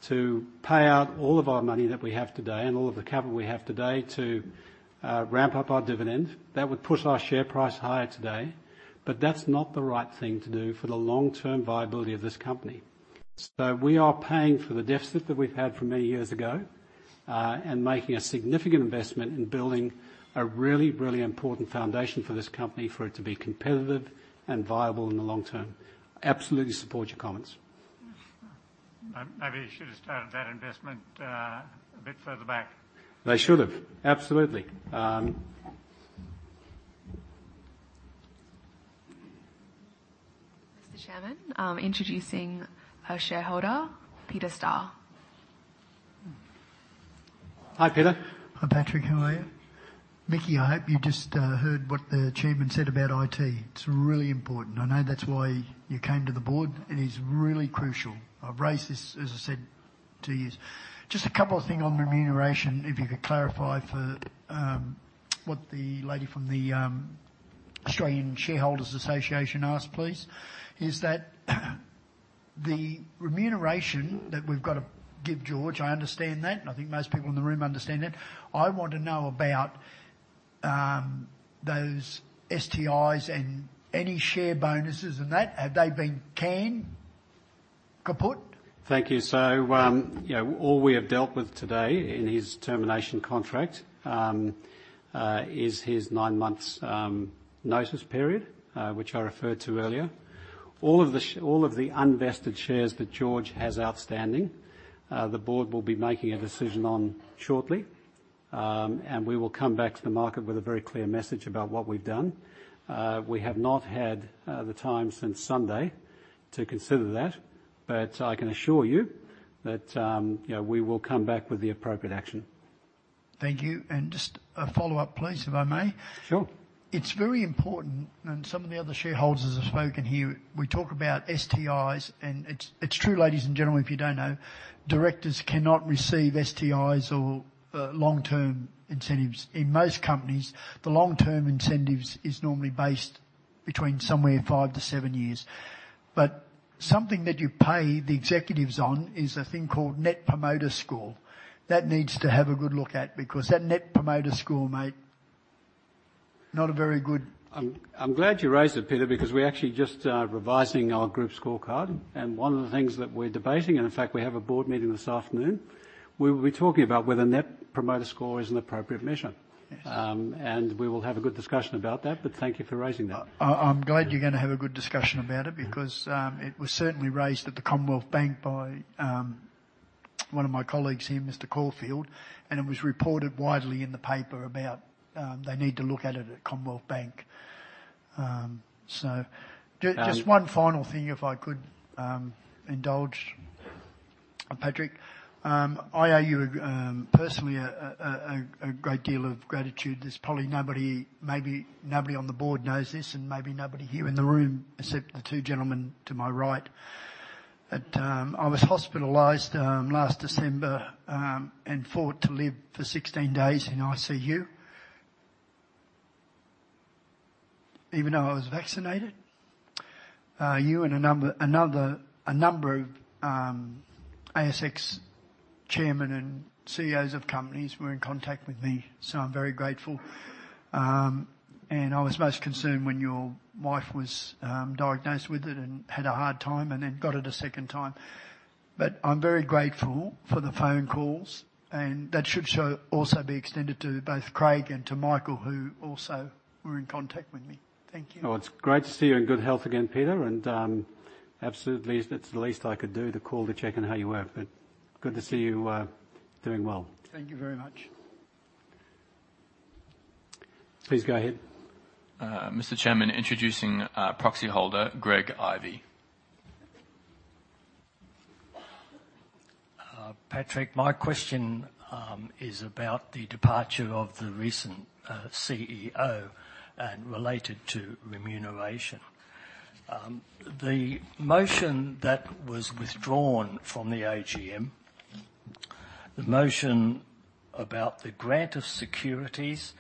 to pay out all of our money that we have today and all of the capital we have today to, ramp up our dividend. That would push our share price higher today. That's not the right thing to do for the long-term viability of this company. We are paying for the deficit that we've had from many years ago, and making a significant investment in building a really, really important foundation for this company for it to be competitive and viable in the long term. Absolutely support your comments. Maybe you should have started that investment a bit further back. They should have. Absolutely. Mr. Chairman, introducing a shareholder, Peter Starr. Hi, Peter. Hi, Patrick. How are you? Mickie, I hope you just heard what the chairman said about IT. It's really important. I know that's why you came to the board, and it's really crucial. I've raised this, as I said, to you. Just a couple of things on remuneration, if you could clarify for what the lady from the Australian Shareholders' Association asked, please. Is that the remuneration that we've got to give George, I understand that, and I think most people in the room understand that. I want to know about those STIs and any share bonuses and that. Have they been canned? Kaput? Thank you. You know, all we have dealt with today in his termination contract is his nine months notice period, which I referred to earlier. All of the unvested shares that George has outstanding, the board will be making a decision on shortly. We will come back to the market with a very clear message about what we've done. We have not had the time since Sunday to consider that, but I can assure you that, you know, we will come back with the appropriate action. Thank you. Just a follow-up, please, if I may. Sure. It's very important. Some of the other shareholders have spoken here. We talk about STIs. It's true, ladies and gentlemen, if you don't know, directors cannot receive STIs or long-term incentives. In most companies, the long-term incentives is normally based between somewhere five to seven years. Something that you pay the executives on is a thing called Net Promoter Score. That needs to have a good look at because that Net Promoter Score, mate, not a very good- I'm glad you raised it, Peter, because we're actually just revising our group scorecard. One of the things that we're debating, and in fact, we have a board meeting this afternoon, we will be talking about whether Net Promoter Score is an appropriate measure. Yes. We will have a good discussion about that, but thank you for raising that. I'm glad you're gonna have a good discussion about it because it was certainly raised at the Commonwealth Bank by one of my colleagues here, Mr. Caulfield. It was reported widely in the paper about they need to look at it at Commonwealth Bank. Just one final thing, if I could indulge, Patrick. I owe you personally a great deal of gratitude. There's probably nobody, maybe nobody on the board knows this and maybe nobody here in the room except the two gentlemen to my right. I was hospitalized last December and fought to live for 16 days in ICU. Even though I was vaccinated. You and a number of ASX chairmen and CEOs of companies were in contact with me, so I'm very grateful. I was most concerned when your wife was diagnosed with it and had a hard time and then got it a second time. I'm very grateful for the phone calls, and that should show, also be extended to both Craig and to Michael, who also were in contact with me. Thank you. Oh, it's great to see you in good health again, Peter. Absolutely, it's the least I could do to call to check on how you were. Good to see you doing well. Thank you very much. Please go ahead. Mr. Chairman, introducing our proxy holder, Greg Ivey. Patrick, my question is about the departure of the recent CEO and related to remuneration. The motion that was withdrawn from the AGM. The motion about the grant of securities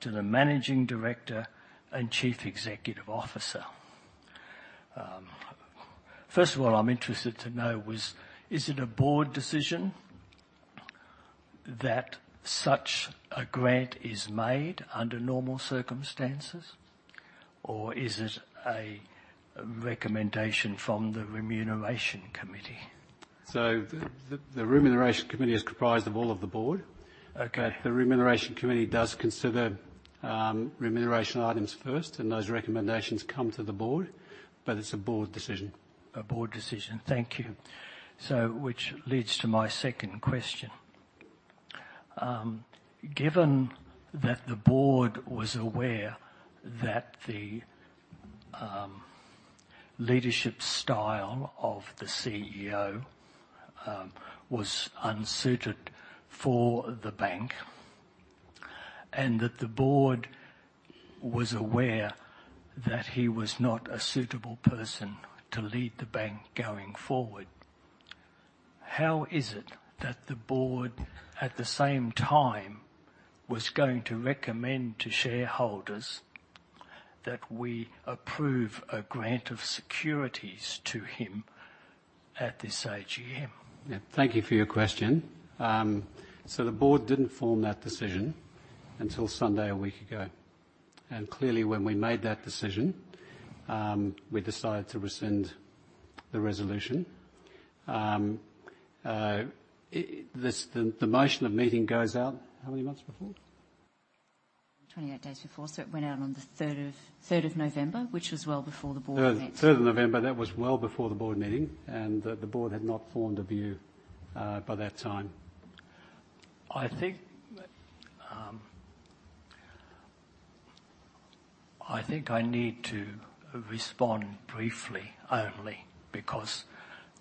to the managing director and chief executive officer. First of all, I'm interested to know was, is it a board decision that such a grant is made under normal circumstances? Or is it a recommendation from the Remuneration Committee? The Remuneration Committee is comprised of all of the Board. Okay. The Remuneration Committee does consider, remuneration items first, and those recommendations come to the Board, but it's a Board decision. A board decision. Thank you. Which leads to my second question. Given that the board was aware that the leadership style of the CEO was unsuited for the bank, and that the board was aware that he was not a suitable person to lead the bank going forward, how is it that the board, at the same time, was going to recommend to shareholders that we approve a grant of securities to him at this AGM? Thank you for your question. The board didn't form that decision until Sunday, a week ago. Clearly, when we made that decision, we decided to rescind the resolution. The motion of meeting goes out how many months before? 28 days before, so it went out on the 3rd of November, which was well before the board met. Third of November. That was well before the Board meeting, the Board had not formed a view by that time. I think I need to respond briefly only because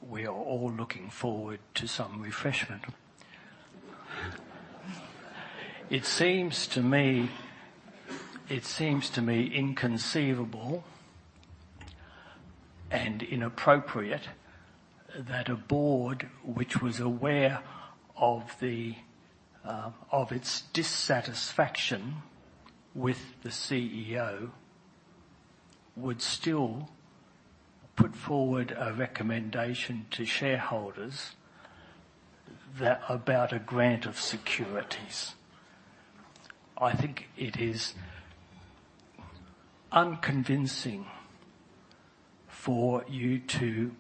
we are all looking forward to some refreshment. It seems to me, it seems to me inconceivable and inappropriate that a board which was aware of the of its dissatisfaction with the CEO would still put forward a recommendation to shareholders about a grant of securities. I think it is unconvincing for you to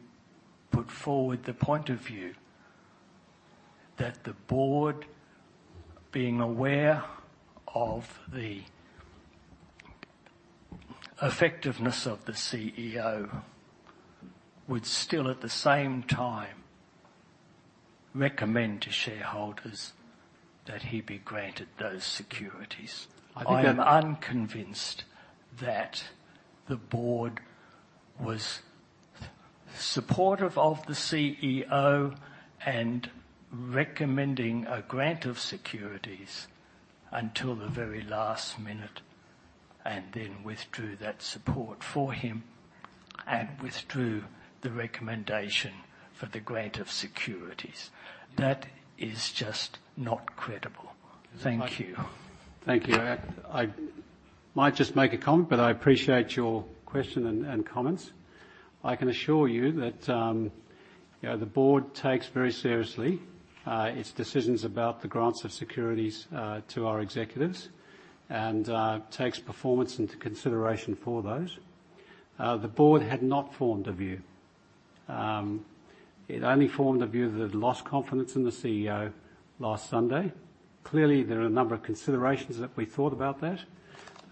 put forward the point of view that the board, being aware of the effectiveness of the CEO, would still, at the same time, recommend to shareholders that he be granted those securities. I think- I'm unconvinced that the board was supportive of the CEO and recommending a grant of securities until the very last minute and then withdrew that support for him and withdrew the recommendation for the grant of securities. That is just not credible. Thank you. Thank you. I might just make a comment, but I appreciate your question and comments. I can assure you that, you know, the board takes very seriously, its decisions about the grants of securities to our executives and takes performance into consideration for those. The board had not formed a view. It only formed a view that it had lost confidence in the CEO last Sunday. Clearly, there are a number of considerations that we thought about that.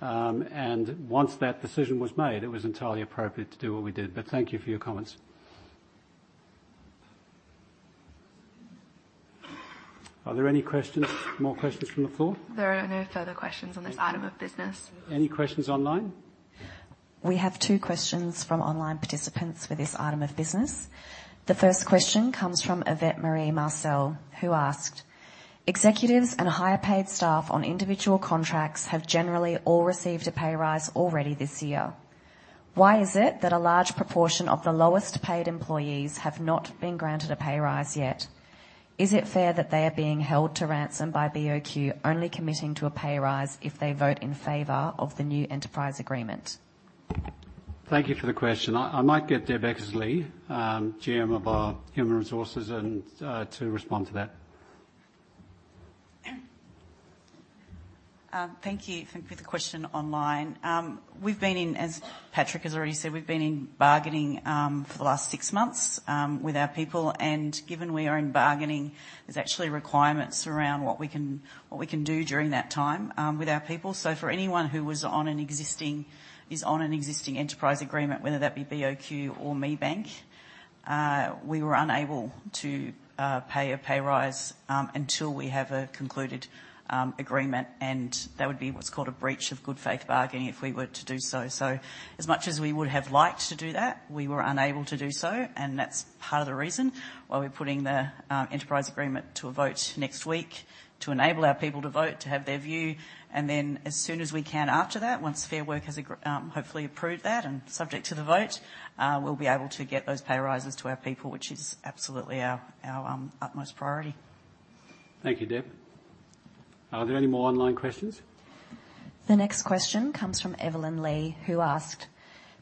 And once that decision was made, it was entirely appropriate to do what we did. Thank you for your comments. Are there any questions, more questions from the floor? There are no further questions on this item of business. Any questions online? We have two questions from online participants for this item of business. The first question comes from Yvette-Maree Marcelle, who asked: executives and higher-paid staff on individual contracts have generally all received a pay rise already this year. Why is it that a large proportion of the lowest-paid employees have not been granted a pay rise yet? Is it fair that they are being held to ransom by BOQ only committing to a pay rise if they vote in favor of the new enterprise agreement? Thank you for the question. I might get Debra Eckersley, GM of our human resources and to respond to that. Thank you. Thank you for the question online. We've been in, as Patrick has already said, we've been in bargaining for the last six months with our people. Given we are in bargaining, there's actually requirements around what we can, what we can do during that time with our people. For anyone who was on an existing, is on an existing enterprise agreement, whether that be BOQ or ME Bank, we were unable to pay a pay rise until we have a concluded agreement. That would be what's called a breach of good faith bargaining if we were to do so. As much as we would have liked to do that, we were unable to do so. That's part of the reason why we're putting the enterprise agreement to a vote next week, to enable our people to vote, to have their view. Then as soon as we can after that, once Fair Work has hopefully approved that and subject to the vote, we'll be able to get those pay rises to our people, which is absolutely our utmost priority. Thank you, Deb. Are there any more online questions? The next question comes from Evelyn Lee, who asked: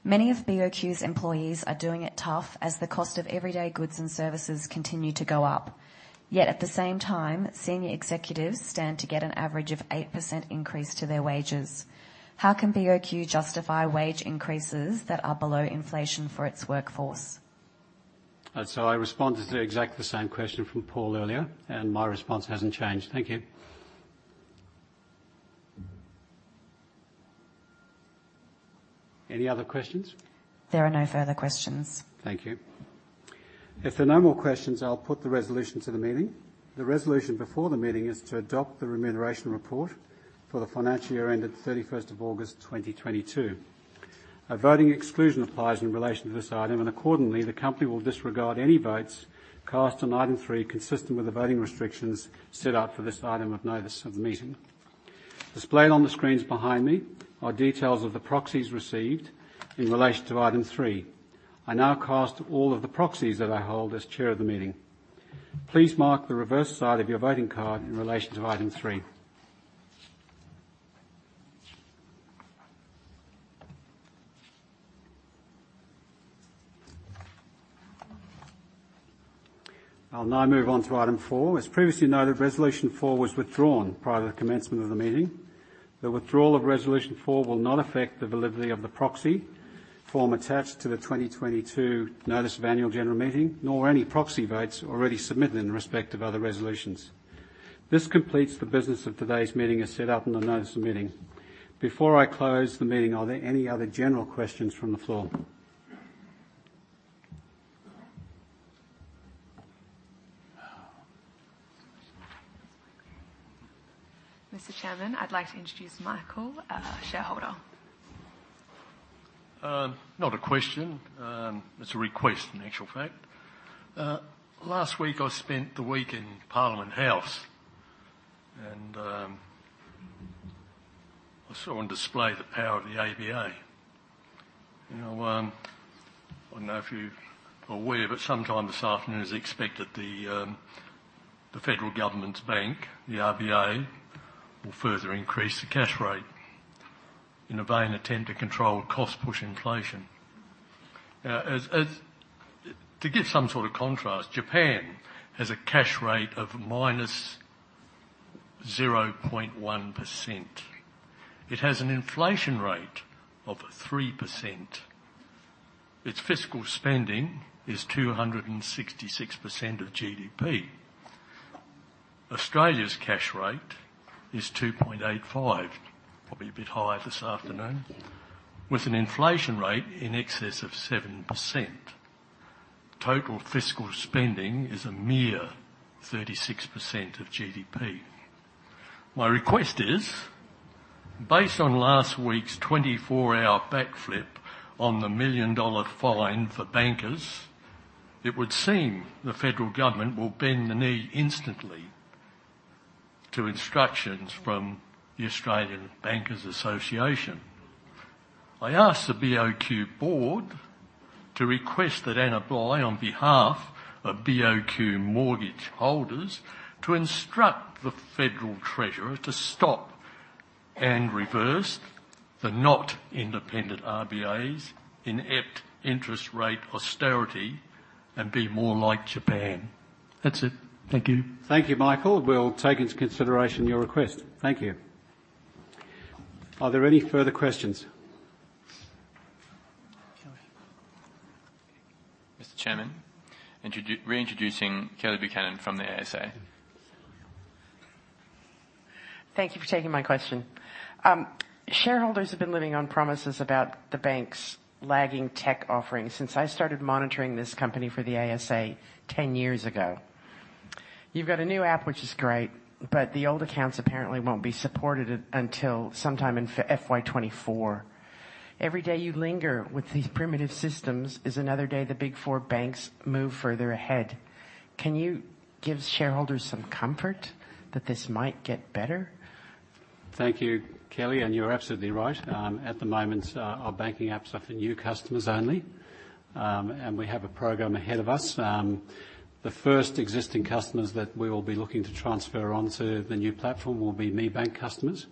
Many of BOQ's employees are doing it tough as the cost of everyday goods and services continue to go up. At the same time, senior executives stand to get an average of 8% increase to their wages. How can BOQ justify wage increases that are below inflation for its workforce? I responded to exactly the same question from Paul earlier, and my response hasn't changed. Thank you. Any other questions? There are no further questions. Thank you. If there are no more questions, I'll put the resolution to the meeting. The resolution before the meeting is to adopt the remuneration report for the financial year ended 31st of August 2022. A voting exclusion applies in relation to this item, and accordingly, the company will disregard any votes cast on item 3, consistent with the voting restrictions set out for this item of notice of the meeting. Displayed on the screens behind me are details of the proxies received in relation to item 3. I now cast all of the proxies that I hold as chair of the meeting. Please mark the reverse side of your voting card in relation to item 3. I'll now move on to item 4. As previously noted, resolution 4 was withdrawn prior to the commencement of the meeting. The withdrawal of resolution four will not affect the validity of the proxy form attached to the 2022 notice of annual general meeting, nor any proxy votes already submitted in respect of other resolutions. This completes the business of today's meeting as set out in the notice of the meeting. Before I close the meeting, are there any other general questions from the floor? Mr. Chairman, I'd like to introduce Michael, a shareholder. Not a question, it's a request, in actual fact. Last week, I spent the week in Parliament House, I saw on display the power of the ABA. You know, I don't know if you're aware, sometime this afternoon, it's expected the federal government's bank, the RBA, will further increase the cash rate in a vain attempt to control cost-push inflation. To give some sort of contrast, Japan has a cash rate of minus 0.1%. It has an inflation rate of 3%. Its fiscal spending is 266% of GDP. Australia's cash rate is 2.85, probably a bit higher this afternoon, with an inflation rate in excess of 7%. Total fiscal spending is a mere 36% of GDP. My request is, based on last week's 24 backflip on the million-dollar fine for bankers, it would seem the federal government will bend the knee instantly to instructions from the Australian Banking Association. I ask the BOQ board to request that Anna Bligh, on behalf of BOQ mortgage holders, to instruct the federal treasurer to stop and reverse the not independent RBA's inept interest rate austerity and be more like Japan. That's it. Thank you. Thank you, Michael. We'll take into consideration your request. Thank you. Are there any further questions? Mr. Chairman, reintroducing Kelly Buchanan from the ASA. Thank you for taking my question. Shareholders have been living on promises about the bank's lagging tech offerings since I started monitoring this company for the ASA 10 years ago. You've got a new app, which is great, but the old accounts apparently won't be supported until sometime in FY 2024. Every day you linger with these primitive systems is another day the Big Four banks move further ahead. Can you give shareholders some comfort that this might get better? Thank you, Kelly. You're absolutely right. At the moment, our banking app's up for new customers only. We have a program ahead of us. The first existing customers that we will be looking to transfer onto the new platform will be ME Bank customers.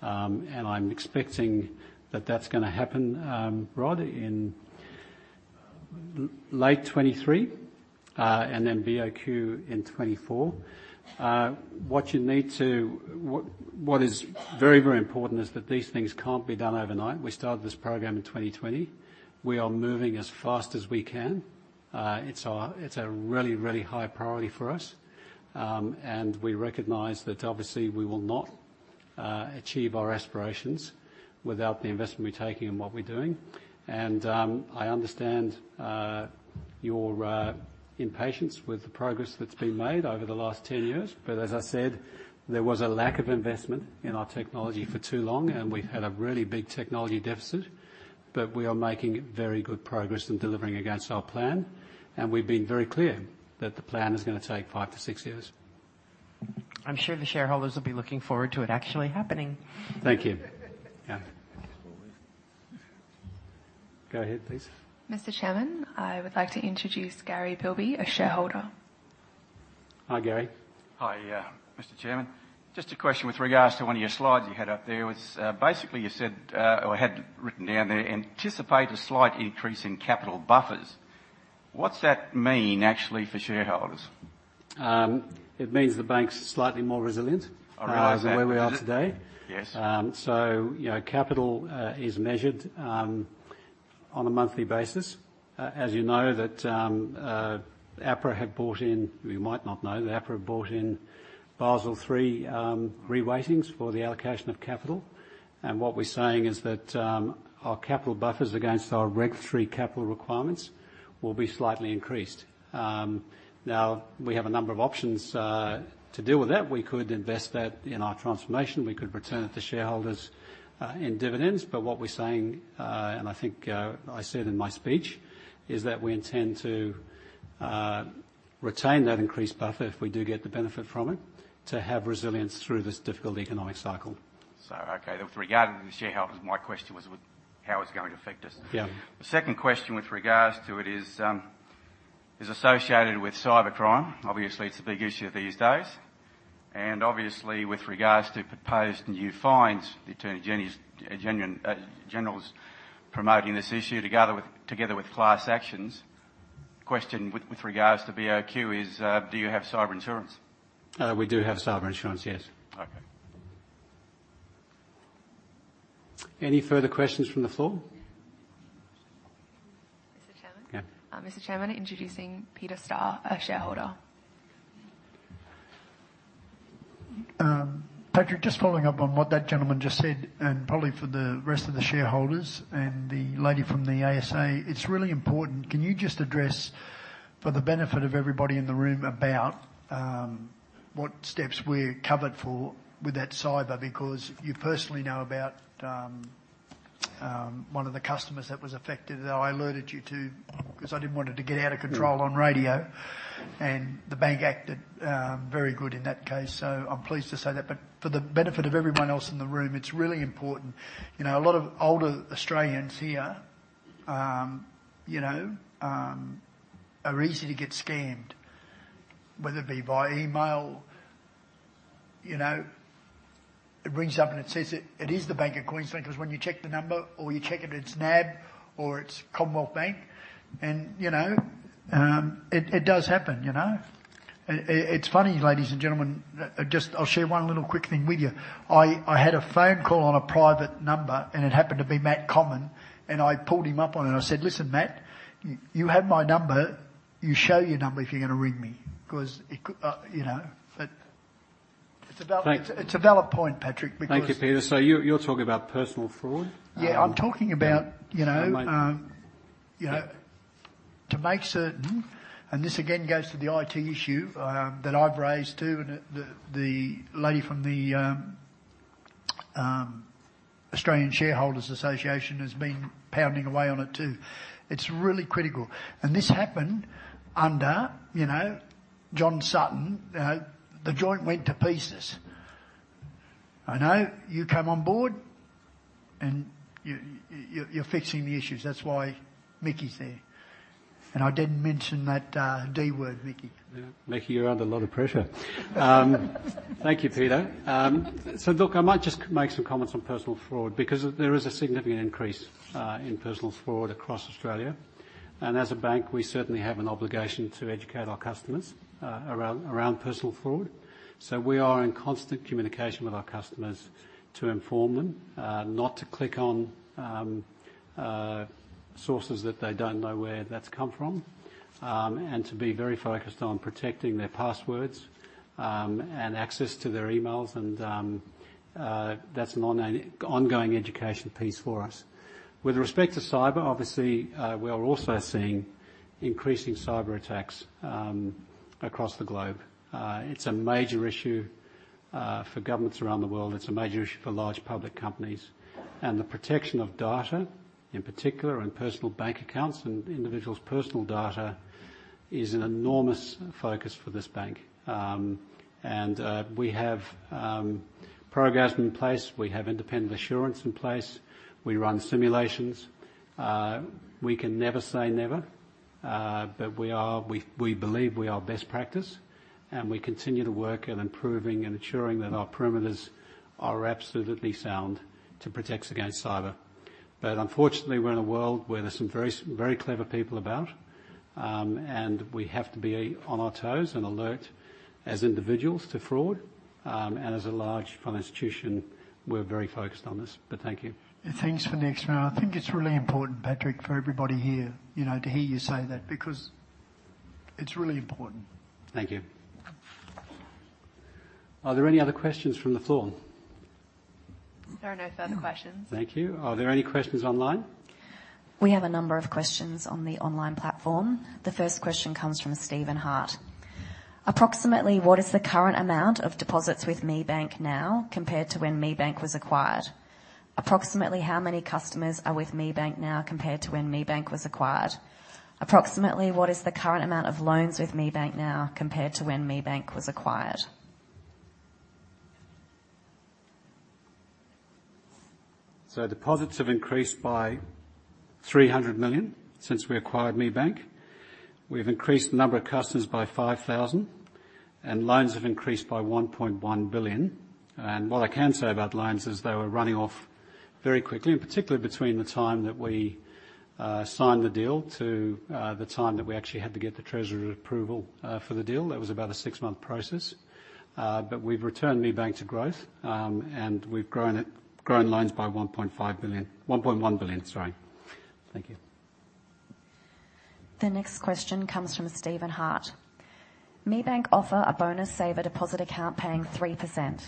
I'm expecting that that's gonna happen, Rod, in late 2023, then BOQ in 2024. What is very, very important is that these things can't be done overnight. We started this program in 2020. We are moving as fast as we can. It's a really, really high priority for us. We recognize that obviously we will not achieve our aspirations without the investment we're taking and what we're doing. I understand your impatience with the progress that's been made over the last 10 years. As I said, there was a lack of investment in our technology for too long, and we've had a really big technology deficit. We are making very good progress in delivering against our plan, and we've been very clear that the plan is gonna take five to six years. I'm sure the shareholders will be looking forward to it actually happening. Thank you. Yeah Go ahead, please. Mr. Chairman, I would like to introduce Gary Bielby, a shareholder. Hi, Gary. Hi, Mr. Chairman. Just a question with regards to one of your slides you had up there was, basically you said, or had written down there, anticipate a slight increase in capital buffers. What's that mean actually for shareholders? it means the bank's slightly more resilient. I realize., than where we are today. Yes. You know, capital is measured on a monthly basis. As you know that APRA brought in Basel III reweightings for the allocation of capital. What we're saying is that our capital buffers against our regulatory capital requirements will be slightly increased. Now we have a number of options to deal with that. We could invest that in our transformation. We could return it to shareholders in dividends. What we're saying, and I think I said in my speech, is that we intend to retain that increased buffer if we do get the benefit from it to have resilience through this difficult economic cycle. Okay, with regard to the shareholders, my question was how it's going to affect us? Yeah. The second question with regards to it is associated with cybercrime. Obviously, it's a big issue these days, and obviously with regards to proposed new fines, the Attorney General's promoting this issue together with class actions. Question with regards to BOQ is, do you have cyber insurance? We do have cyber insurance, yes. Okay. Any further questions from the floor? Mr. Chairman? Yeah. Mr. Chairman, introducing Peter Starr, a shareholder. Patrick, just following up on what that gentleman just said, and probably for the rest of the shareholders and the lady from the ASA, it's really important. Can you just address for the benefit of everybody in the room about, what steps we're covered for with that cyber? Because you personally know about, one of the customers that was affected that I alerted you to 'cause I didn't want it to get out of control... Yeah. On radio, and the bank acted, very good in that case. I'm pleased to say that. For the benefit of everyone else in the room, it's really important. You know, a lot of older Australians here, you know, are easy to get scammed, whether it be via email, you know. It rings up and it says it is the Bank of Queensland, 'cause when you check the number or you check if it's NAB or it's Commonwealth Bank and, you know, it does happen, you know? It's funny, ladies and gentlemen, just I'll share one little quick thing with you. I had a phone call on a private number and it happened to be Matt Comyn, and I pulled him up on it and I said, "Listen, Matt, you have my number. You show your number if you're gonna ring me," 'cause it could, you know. But it's a valid- Thank you. It's a valid point, Patrick, because- Thank you, Peter. You're talking about personal fraud? Yeah. Um. I'm talking about- Yeah. you know, you know, to make certain, and this again goes to the IT issue, that I've raised, too. The, the lady from the Australian Shareholders' Association has been pounding away on it, too. It's really critical. This happened under, you know, Jon Sutton. You know, the joint went to pieces. I know you came on board and you're fixing the issues. That's why Mickey's there. I didn't mention that D word, Mickey. Mickie, you're under a lot of pressure. Thank you, Peter. Look, I might just make some comments on personal fraud because there is a significant increase in personal fraud across Australia. As a bank, we certainly have an obligation to educate our customers around personal fraud. We are in constant communication with our customers to inform them not to click on sources that they don't know where that's come from and to be very focused on protecting their passwords and access to their emails. That's an ongoing education piece for us. With respect to cyber, obviously, we are also seeing increasing cyberattacks across the globe. It's a major issue for governments around the world. It's a major issue for large public companies. The protection of data, in particular on personal bank accounts and individuals' personal data, is an enormous focus for this bank. We have programs in place. We have independent assurance in place. We run simulations. We can never say never, but we believe we are best practice, and we continue to work at improving and ensuring that our perimeters are absolutely sound to protect us against cyber. Unfortunately, we're in a world where there's some very clever people about, and we have to be on our toes and alert as individuals to fraud. As a large financial institution, we're very focused on this. Thank you. Thanks for the explanation. I think it's really important, Patrick, for everybody here, you know, to hear you say that because it's really important. Thank you. Are there any other questions from the floor? There are no further questions. Thank you. Are there any questions online? We have a number of questions on the online platform. The first question comes from Stephen Hart: Approximately what is the current amount of deposits with ME Bank now compared to when ME Bank was acquired? Approximately how many customers are with ME Bank now compared to when ME Bank was acquired? Approximately what is the current amount of loans with ME Bank now compared to when ME Bank was acquired? Deposits have increased by 300 million since we acquired ME Bank. We've increased the number of customers by 5,000. Loans have increased by 1.1 billion. What I can say about loans is they were running off very quickly, and particularly between the time that we signed the deal to the time that we actually had to get the Treasury approval for the deal. That was about a six-month process. We've returned ME Bank to growth, and we've grown loans by 1.5 billion. 1.1 billion, sorry. Thank you. The next question comes from Stephen Hart. ME Bank offer a bonus saver deposit account paying 3%.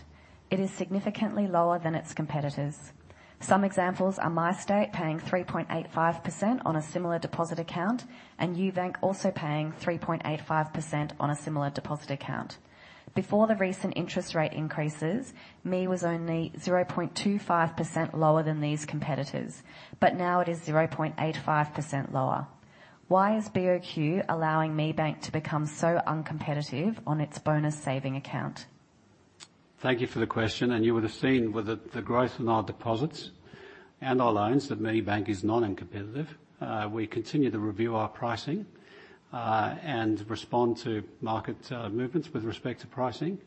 It is significantly lower than its competitors. Some examples are MyState paying 3.85% on a similar deposit account, and UBank also paying 3.85% on a similar deposit account. Before the recent interest rate increases, ME was only 0.25% lower than these competitors, but now it is 0.85% lower. Why is BOQ allowing ME Bank to become so uncompetitive on its bonus saving account? Thank you for the question. You would have seen with the growth in our deposits and our loans that ME Bank is not uncompetitive. We continue to review our pricing, and respond to market movements with respect to pricing.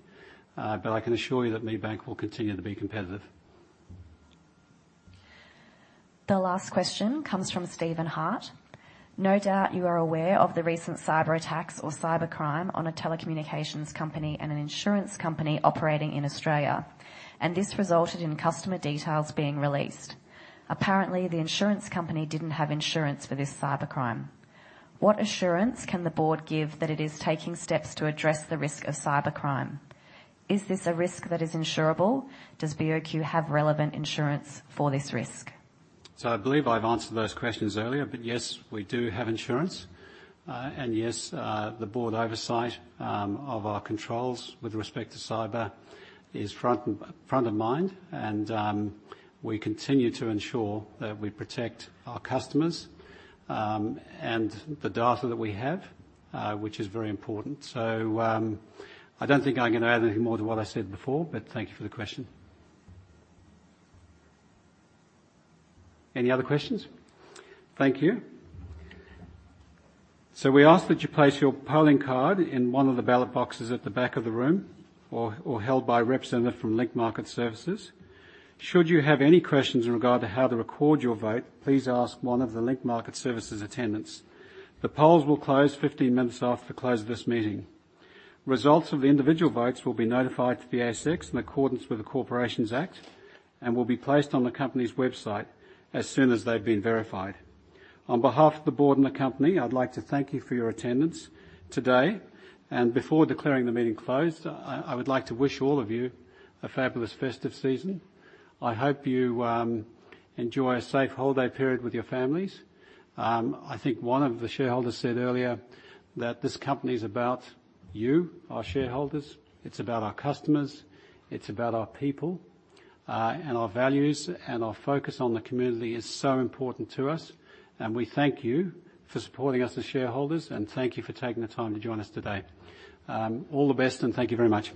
I can assure you that ME Bank will continue to be competitive. The last question comes from Stephen Hart. No doubt you are aware of the recent cyberattacks or cybercrime on a telecommunications company and an insurance company operating in Australia, and this resulted in customer details being released. Apparently, the insurance company didn't have insurance for this cybercrime. What assurance can the board give that it is taking steps to address the risk of cybercrime? Is this a risk that is insurable? Does BOQ have relevant insurance for this risk? I believe I've answered those questions earlier, but yes, we do have insurance. And yes, the board oversight of our controls with respect to cyber is front of mind. And we continue to ensure that we protect our customers and the data that we have, which is very important. I don't think I'm gonna add anything more to what I said before, but thank you for the question. Any other questions? Thank you. We ask that you place your polling card in one of the ballot boxes at the back of the room or held by a representative from Link Market Services. Should you have any questions in regard to how to record your vote, please ask one of the Link Market Services attendants. The polls will close 15 minutes after the close of this meeting. Results of the individual votes will be notified to the ASX in accordance with the Corporations Act and will be placed on the company's website as soon as they've been verified. On behalf of the board and the company, I'd like to thank you for your attendance today. Before declaring the meeting closed, I would like to wish all of you a fabulous festive season. I hope you enjoy a safe holiday period with your families. I think one of the shareholders said earlier that this company is about you, our shareholders, it's about our customers, it's about our people, and our values, and our focus on the community is so important to us, and we thank you for supporting us as shareholders, and thank you for taking the time to join us today. All the best. Thank you very much.